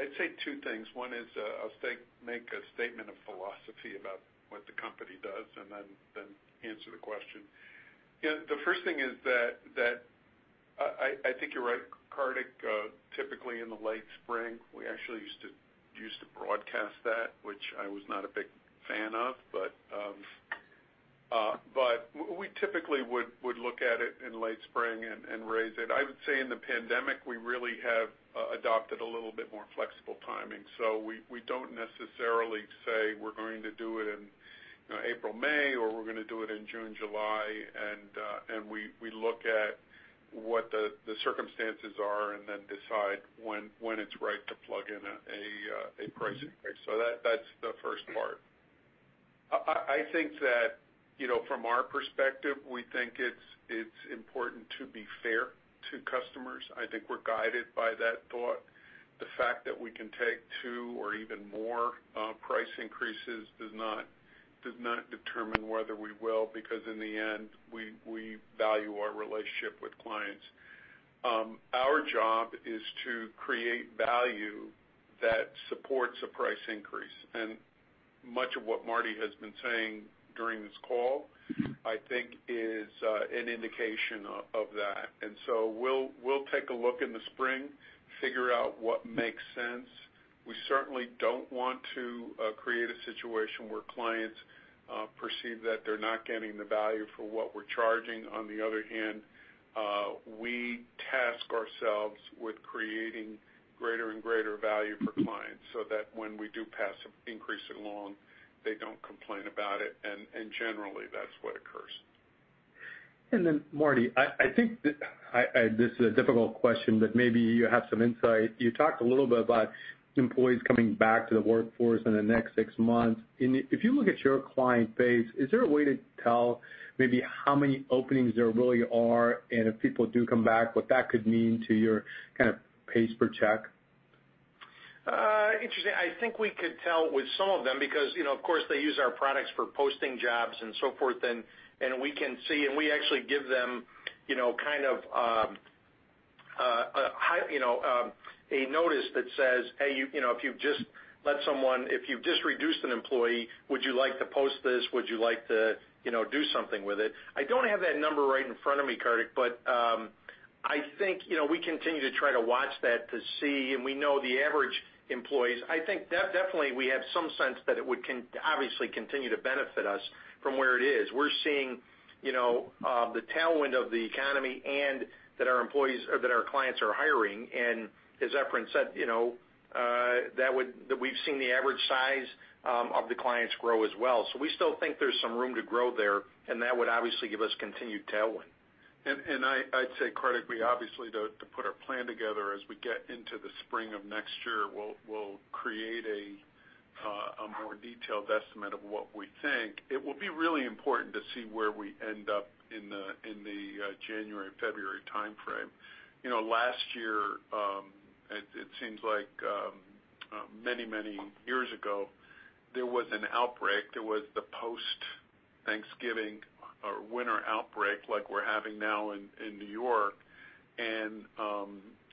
I'd say two things. One is, I'll make a statement of philosophy about what the company does and then answer the question. You know, the first thing is that I think you're right, Kartik, typically in the late spring, we actually used to broadcast that, which I was not a big fan of. We typically would look at it in late spring and raise it. I would say in the pandemic, we really have adopted a little bit more flexible timing. We don't necessarily say we're going to do it in, you know, April, May, or we're gonna do it in June, July. We look at what the circumstances are and then decide when it's right to plug in a price increase. That's the first part. I think that, you know, from our perspective, we think it's important to be fair to customers. I think we're guided by that thought. The fact that we can take two or even more price increases does not determine whether we will, because in the end, we value our relationship with clients. Our job is to create value that supports a price increase. Much of what Marty has been saying during this call, I think is an indication of that. We'll take a look in the spring, figure out what makes sense. We certainly don't want to create a situation where clients perceive that they're not getting the value for what we're charging. On the other hand, we task ourselves with creating greater and greater value for clients so that when we do pass an increase along, they don't complain about it. Generally, that's what occurs. Marty, I think this is a difficult question, but maybe you have some insight. You talked a little bit about employees coming back to the workforce in the next six months. If you look at your client base, is there a way to tell maybe how many openings there really are, and if people do come back, what that could mean to your kind of pace per check? Interesting. I think we could tell with some of them because, you know, of course, they use our products for posting jobs and so forth. We can see, and we actually give them, you know, kind of, a notice that says, "Hey, you know, if you've just reduced an employee, would you like to post this? Would you like to, you know, do something with it?" I don't have that number right in front of me, Kartik, but, I think, you know, we continue to try to watch that to see, and we know the average employees. I think definitely we have some sense that it would obviously continue to benefit us from where it is. We're seeing, you know, the tailwind of the economy and that our employees or that our clients are hiring. As Efrain said, you know, that we've seen the average size of the clients grow as well. We still think there's some room to grow there, and that would obviously give us continued tailwind. I'd say, Kartik, we obviously to put our plan together as we get into the spring of next year, we'll create a more detailed estimate of what we think. It will be really important to see where we end up in the January, February timeframe. You know, last year, it seems like many years ago, there was an outbreak. There was the post-Thanksgiving or winter outbreak like we're having now in New York.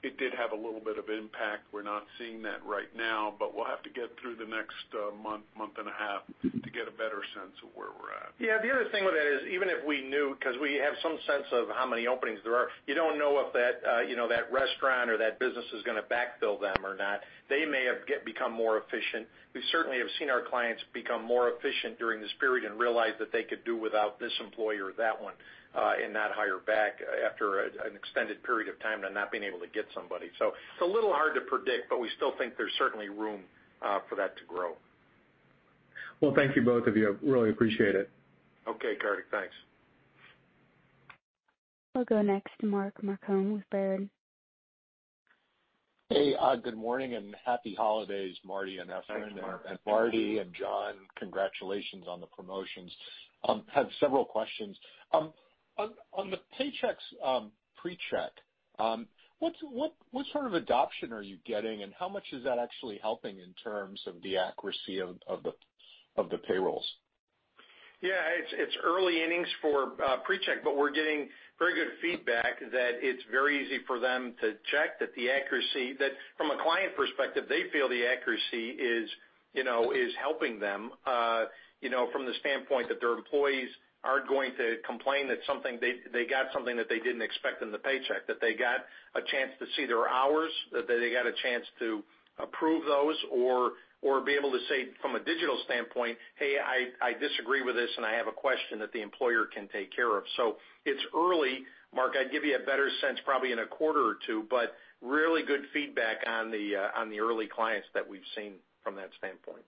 It did have a little bit of impact. We're not seeing that right now, but we'll have to get through the next month and a half to get a better sense of where we're at. Yeah. The other thing with that is even if we knew, 'cause we have some sense of how many openings there are, you don't know if that, you know, that restaurant or that business is gonna backfill them or not. They may have become more efficient. We certainly have seen our clients become more efficient during this period and realize that they could do without this employee or that one, and not hire back after an extended period of time and not being able to get somebody. So it's a little hard to predict, but we still think there's certainly room for that to grow. Well, thank you both of you. Really appreciate it. Okay, Kartik. Thanks. We'll go next to Mark Marcon with Baird. Hey, good morning, and happy holidays, Marty and Efrain. Thanks, Mark. Marty and John, congratulations on the promotions. Had several questions. On the Paychex Pre-Check, what sort of adoption are you getting, and how much is that actually helping in terms of the accuracy of the payrolls? Yeah. It's early innings for Pre-Check, but we're getting very good feedback that it's very easy for them to check that the accuracy, that from a client perspective, they feel the accuracy is, you know, is helping them, you know, from the standpoint that their employees aren't going to complain that something they got that they didn't expect in the paycheck, that they got a chance to see their hours, that they got a chance to approve those or be able to say from a digital standpoint, "Hey, I disagree with this, and I have a question that the employer can take care of." So it's early, Mark. I'd give you a better sense probably in a quarter or two, but really good feedback on the early clients that we've seen from that standpoint.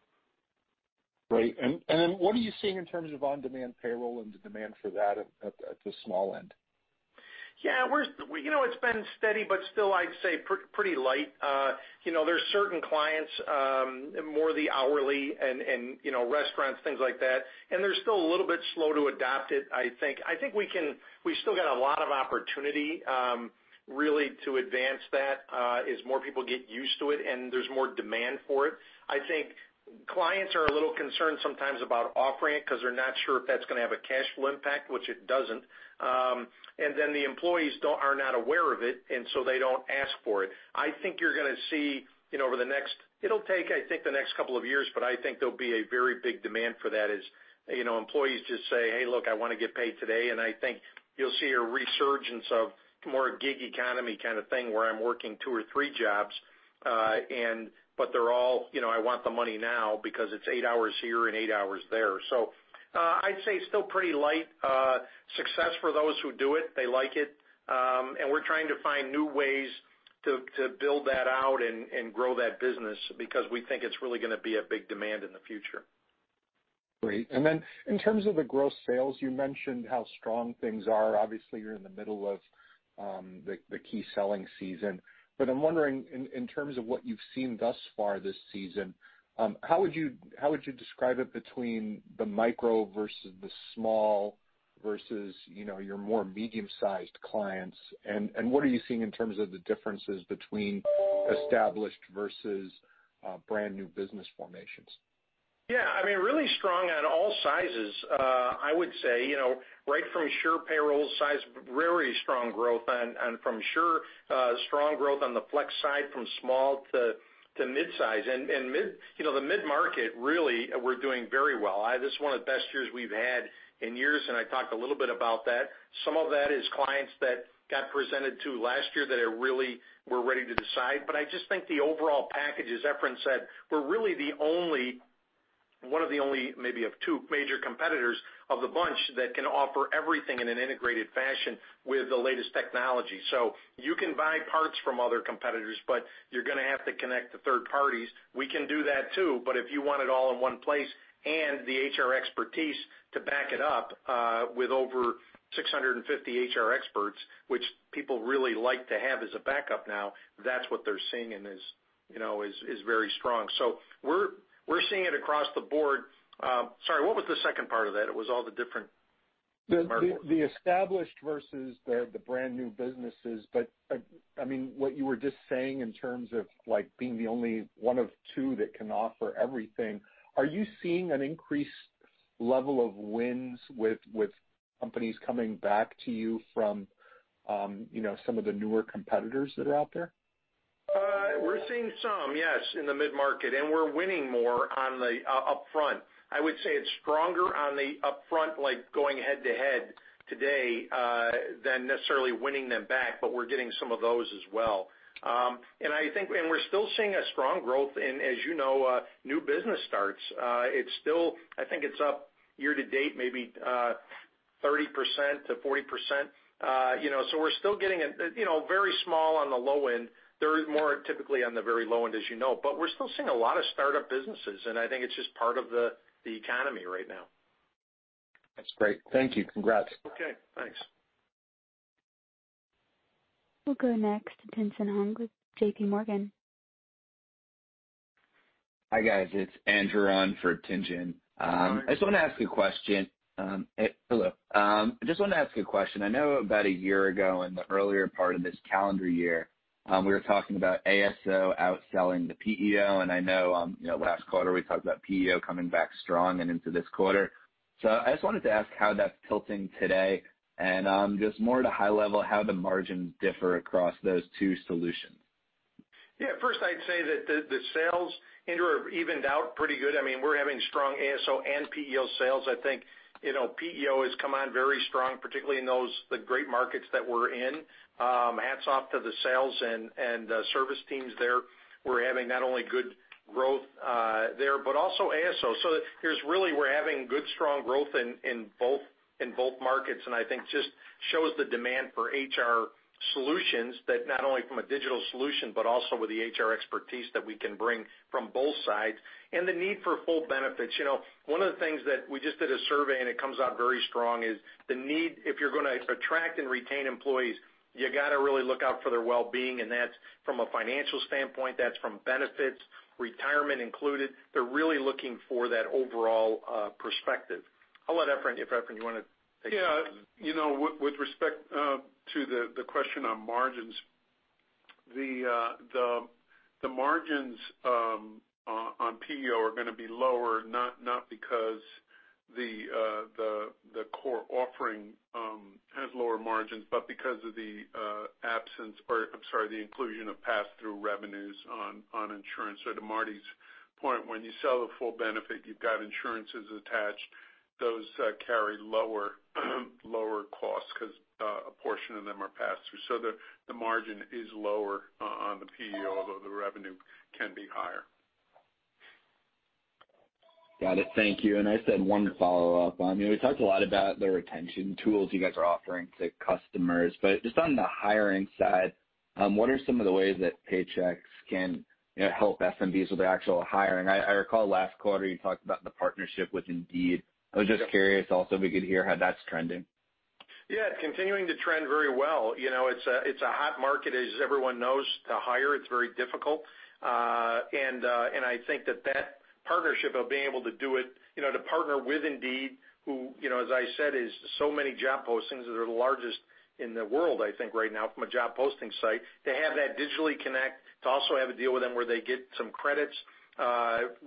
Great. What are you seeing in terms of on-demand payroll and the demand for that at the small end? You know, it's been steady, but still I'd say pretty light. You know, there's certain clients, more the hourly and you know, restaurants, things like that, and they're still a little bit slow to adopt it, I think. We still got a lot of opportunity, really to advance that, as more people get used to it and there's more demand for it. I think clients are a little concerned sometimes about offering it 'cause they're not sure if that's gonna have a cash flow impact, which it doesn't. Then the employees are not aware of it, and so they don't ask for it. I think you're gonna see, you know, over the next It'll take, I think, the next couple of years, but I think there'll be a very big demand for that as, you know, employees just say, "Hey, look, I wanna get paid today." I think you'll see a resurgence of more gig economy kind of thing where I'm working two or three jobs, but they're all, you know, I want the money now because it's eight hours here and eight hours there. I'd say still pretty light. Success for those who do it, they like it. We're trying to find new ways to build that out and grow that business because we think it's really gonna be a big demand in the future. Great. In terms of the gross sales, you mentioned how strong things are. Obviously, you're in the middle of the key selling season. I'm wondering in terms of what you've seen thus far this season, how would you describe it between the micro versus the small versus, you know, your more medium-sized clients? What are you seeing in terms of the differences between established versus brand new business formations? Yeah. I mean, really strong on all sizes. I would say, you know, right from SurePayroll size, very strong growth on from Sure, strong growth on the flex side from small to mid-size. Mid, you know, the mid-market really we're doing very well. This is one of the best years we've had in years, and I talked a little bit about that. Some of that is clients that got presented to last year that are were ready to decide. But I just think the overall package, as Efrain said, we're really the only, one of the only maybe of two major competitors of the bunch that can offer everything in an integrated fashion with the latest technology. So you can buy parts from other competitors, but you're gonna have to connect to third parties. We can do that too, but if you want it all in one place and the HR expertise to back it up, with over 650 HR experts, which people really like to have as a backup now, that's what they're seeing and, you know, is very strong. So we're seeing it across the board. Sorry, what was the second part of that? It was all the different The established versus the brand new businesses. I mean, what you were just saying in terms of like being the only one of two that can offer everything, are you seeing an increased level of wins with companies coming back to you from, you know, some of the newer competitors that are out there? We're seeing some, yes, in the mid-market, and we're winning more on the upfront. I would say it's stronger on the upfront, like going head to head today, than necessarily winning them back, but we're getting some of those as well. We're still seeing a strong growth in, as you know, new business starts. It's still, I think, up year to date, maybe, 30%-40%. You know, we're still getting a, you know, very small on the low end. There is more typically on the very low end, as you know. We're still seeing a lot of startup businesses, and I think it's just part of the economy right now. That's great. Thank you. Congrats. Okay, thanks. We'll go next to Tien-Tsin Huang with JPMorgan Chase. Hi, guys. It's Andrew Huang for Tien-Tsin Huang. Hi. I just wanted to ask a question. I know about a year ago, in the earlier part of this calendar year, we were talking about ASO outselling the PEO, and I know, you know, last quarter, we talked about PEO coming back strong and into this quarter. I just wanted to ask how that's tilting today, and just more at a high level, how the margins differ across those two solutions. Yeah. First, I'd say that the sales, Andrew, are evened out pretty good. I mean, we're having strong ASO and PEO sales. I think, you know, PEO has come on very strong, particularly in those great markets that we're in. Hats off to the sales and service teams there. We're having not only good growth there, but also ASO. So we're really having good, strong growth in both markets, and I think just shows the demand for HR solutions that not only from a digital solution, but also with the HR expertise that we can bring from both sides and the need for full benefits. You know, one of the things that we just did a survey, and it comes out very strong, is the need, if you're gonna attract and retain employees, you gotta really look out for their well-being, and that's from a financial standpoint, that's from benefits, retirement included. They're really looking for that overall perspective. I'll let Efrain, if you wanna take- Yeah. You know, with respect to the question on margins, the margins on PEO are gonna be lower, not because the core offering has lower margins, but because of the absence, or I'm sorry, the inclusion of pass-through revenues on insurance. To Marty's point, when you sell the full benefit, you've got insurances attached. Those carry lower costs 'cause a portion of them are pass-through. The margin is lower on the PEO, although the revenue can be higher. Got it. Thank you. I just had one follow-up. I mean, we talked a lot about the retention tools you guys are offering to customers, but just on the hiring side What are some of the ways that Paychex can, you know, help SMBs with the actual hiring? I recall last quarter you talked about the partnership with Indeed. Yep. I was just curious also if we could hear how that's trending? Yeah, continuing to trend very well. You know, it's a hot market, as everyone knows, to hire. It's very difficult. I think that partnership of being able to do it, you know, to partner with Indeed, who, you know, as I said, is so many job postings. They're the largest in the world, I think, right now from a job posting site. To have that digitally connect, to also have a deal with them where they get some credits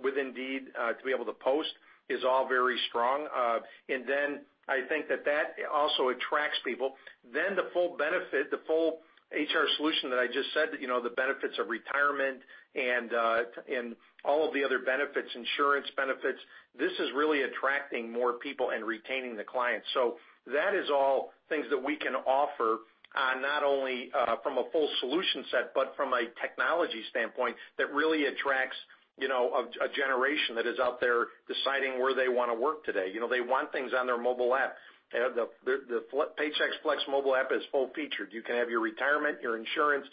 with Indeed to be able to post is all very strong. I think that also attracts people. The full benefit, the full HR solution that I just said, you know, the benefits of retirement and all of the other benefits, insurance benefits, this is really attracting more people and retaining the clients. That is all things that we can offer, not only from a full solution set, but from a technology standpoint that really attracts, you know, a generation that is out there deciding where they wanna work today. You know, they want things on their mobile app. They have the Paychex Flex mobile app is full-featured. You can have your retirement, your insurance,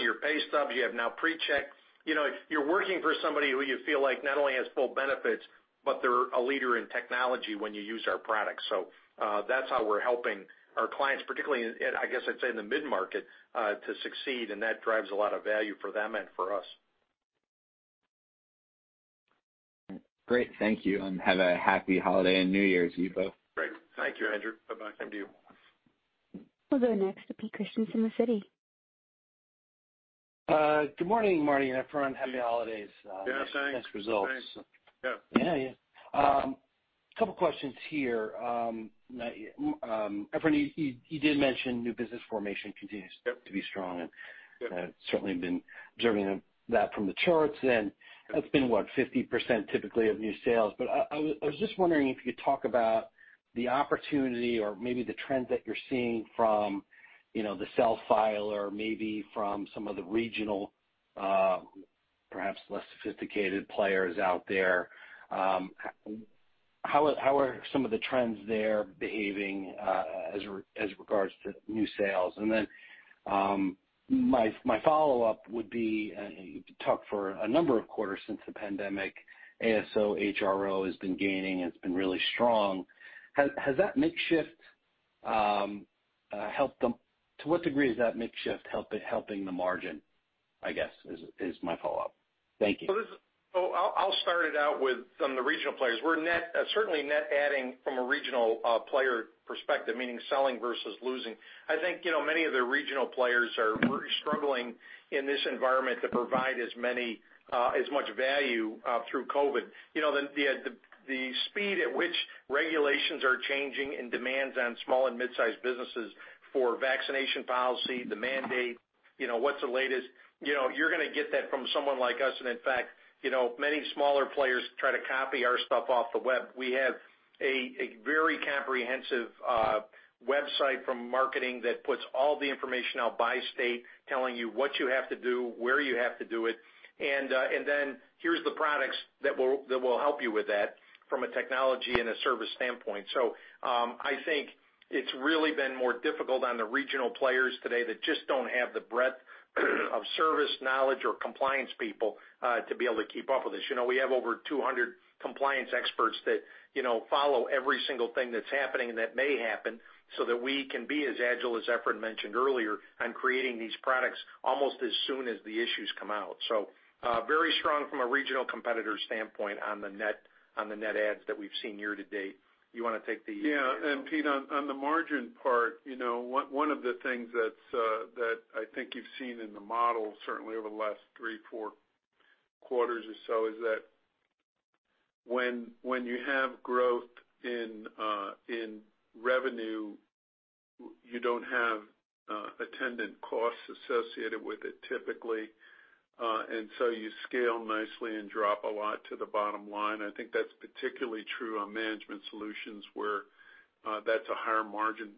your pay stubs. You have now Pre-Check. You know, you're working for somebody who you feel like not only has full benefits, but they're a leader in technology when you use our products. That's how we're helping our clients, particularly in, I guess I'd say in the mid-market, to succeed, and that drives a lot of value for them and for us. Great. Thank you, and have a happy holiday and New Year to you both. Great. Thank you, Andrew. Bye-bye. Thank you. We'll go next to Peter Christiansen with Citi. Good morning, Marty and Efrain. Happy holidays. Yeah, thanks. Nice results. Thanks. Yep. Yeah. Couple questions here. Martin, you did mention new business formation continues- Yep. -to be strong, and- Yep. I've certainly been observing that from the charts, and that's been, what, 50% typically of new sales. But I was just wondering if you could talk about the opportunity or maybe the trends that you're seeing from, you know, the self-filer or maybe from some of the regional, perhaps less sophisticated players out there. How are some of the trends there behaving as regards to new sales? And then, my follow-up would be, you've talked for a number of quarters since the pandemic, ASO, HRO has been gaining and it's been really strong. Has that mix shift helped them. To what degree is that mix shift helping the margin, I guess, is my follow-up. Thank you. I'll start it out with some of the regional players. We're net, certainly net adding from a regional player perspective, meaning selling versus losing. I think, you know, many of the regional players are really struggling in this environment to provide as much value through COVID. You know, the speed at which regulations are changing and demands on small and mid-sized businesses for vaccination policy, the mandate, you know, what's the latest, you know, you're gonna get that from someone like us. In fact, you know, many smaller players try to copy our stuff off the web. We have a very comprehensive website from marketing that puts all the information out by state, telling you what you have to do, where you have to do it, and then here's the products that will help you with that from a technology and a service standpoint. I think it's really been more difficult on the regional players today that just don't have the breadth of service, knowledge or compliance people to be able to keep up with this. You know, we have over 200 compliance experts that, you know, follow every single thing that's happening and that may happen so that we can be as agile, as Efrain mentioned earlier, on creating these products almost as soon as the issues come out. Very strong from a regional competitor standpoint on the net adds that we've seen year to date. You wanna take the- Yeah. Peter, on the margin part, you know, one of the things that I think you've seen in the model certainly over the last three, four quarters or so, is that when you have growth in revenue, you don't have attendant costs associated with it typically. You scale nicely and drop a lot to the bottom line. I think that's particularly true on Management Solutions, where that's the higher margin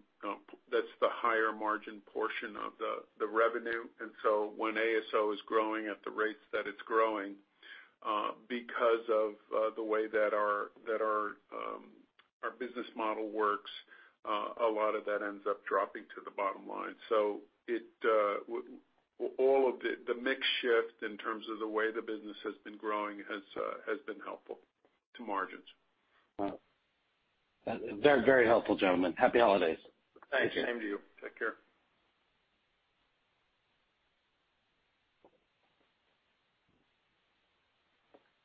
portion of the revenue. When ASO is growing at the rates that it's growing, because of the way that our business model works, a lot of that ends up dropping to the bottom line. It's all of the mix shift in terms of the way the business has been growing has been helpful to margins. Very helpful, gentlemen. Happy holidays. Thanks. Same to you. Take care.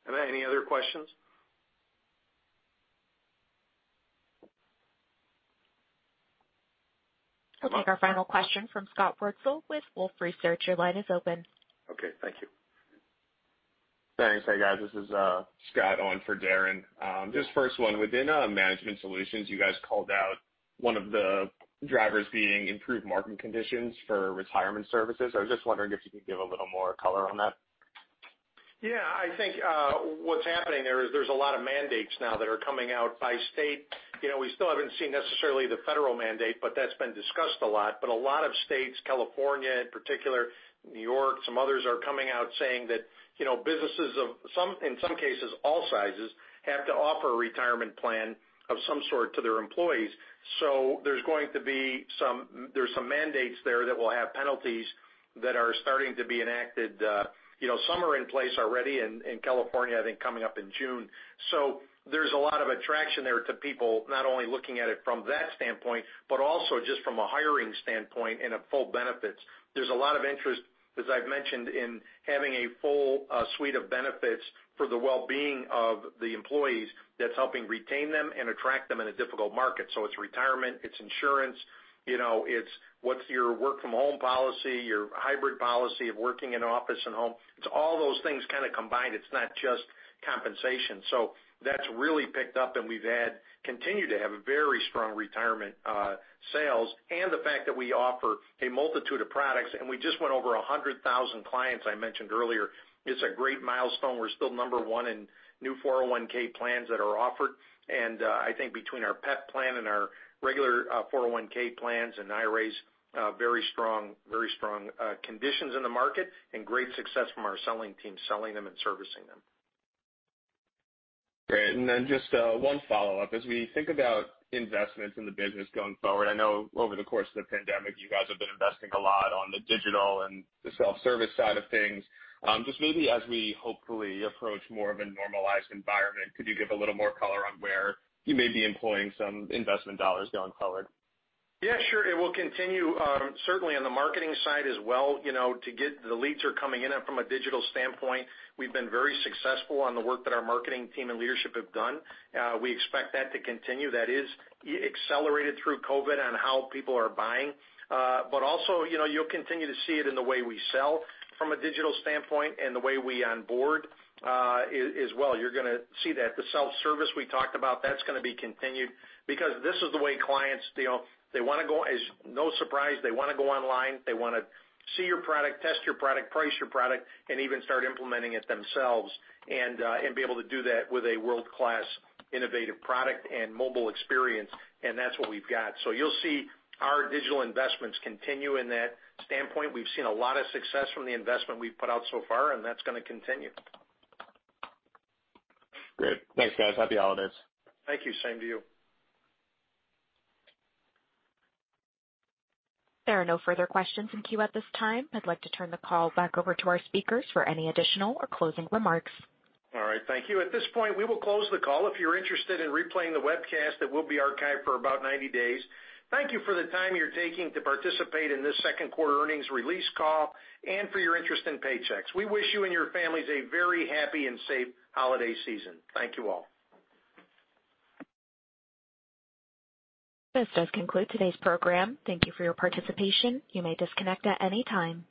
Are there any other questions? I'll take our final question from Scott Wurtzel with Wolfe Research. Your line is open. Okay. Thank you. Thanks. Hey, guys, this is Scott on for Darren. Just first one. Within Management Solutions, you guys called out one of the drivers being improved market conditions for retirement services. I was just wondering if you could give a little more color on that. Yeah. I think what's happening there is there's a lot of mandates now that are coming out by state. You know, we still haven't seen necessarily the federal mandate, but that's been discussed a lot. A lot of states, California in particular, New York, some others are coming out saying that, you know, businesses of some, in some cases all sizes, have to offer a retirement plan of some sort to their employees. There's going to be some mandates there that will have penalties that are starting to be enacted. You know, some are in place already in California, I think coming up in June. There's a lot of attraction there to people, not only looking at it from that standpoint, but also just from a hiring standpoint and a full benefits. There's a lot of interest, as I've mentioned, in having a full suite of benefits for the well-being of the employees that's helping retain them and attract them in a difficult market. It's retirement, it's insurance, you know, it's what's your work from home policy, your hybrid policy of working in office and home. It's all those things kinda combined. It's not just compensation. That's really picked up, and we continue to have very strong retirement sales and the fact that we offer a multitude of products, and we just went over 100,000 clients, I mentioned earlier. It's a great milestone. We're still number one in new 401 plans that are offered. I think between our PEP plan and our regular 401 plans and IRAs, very strong conditions in the market and great success from our selling team, selling them and servicing them. Great. Just one follow-up. As we think about investments in the business going forward, I know over the course of the pandemic, you guys have been investing a lot on the digital and the self-service side of things. Just maybe as we hopefully approach more of a normalized environment, could you give a little more color on where you may be employing some investment dollars going forward? Yeah, sure. It will continue, certainly on the marketing side as well, you know, to get the leads are coming in. From a digital standpoint, we've been very successful on the work that our marketing team and leadership have done. We expect that to continue. That is accelerated through COVID-19 on how people are buying. But also, you know, you'll continue to see it in the way we sell from a digital standpoint and the way we onboard, as well. You're gonna see that the self-service we talked about, that's gonna be continued because this is the way clients, you know, they wanna go. It's no surprise they wanna go online, they wanna see your product, test your product, price your product, and even start implementing it themselves, and be able to do that with a world-class innovative product and mobile experience, and that's what we've got. You'll see our digital investments continue in that standpoint. We've seen a lot of success from the investment we've put out so far, and that's gonna continue. Great. Thanks, guys. Happy holidays. Thank you. Same to you. There are no further questions in queue at this time. I'd like to turn the call back over to our speakers for any additional or closing remarks. All right. Thank you. At this point, we will close the call. If you're interested in replaying the webcast, it will be archived for about 90 days. Thank you for the time you're taking to participate in this second quarter earnings release call and for your interest in Paychex. We wish you and your families a very happy and safe holiday season. Thank you all. This does conclude today's program. Thank you for your participation. You may disconnect at any time.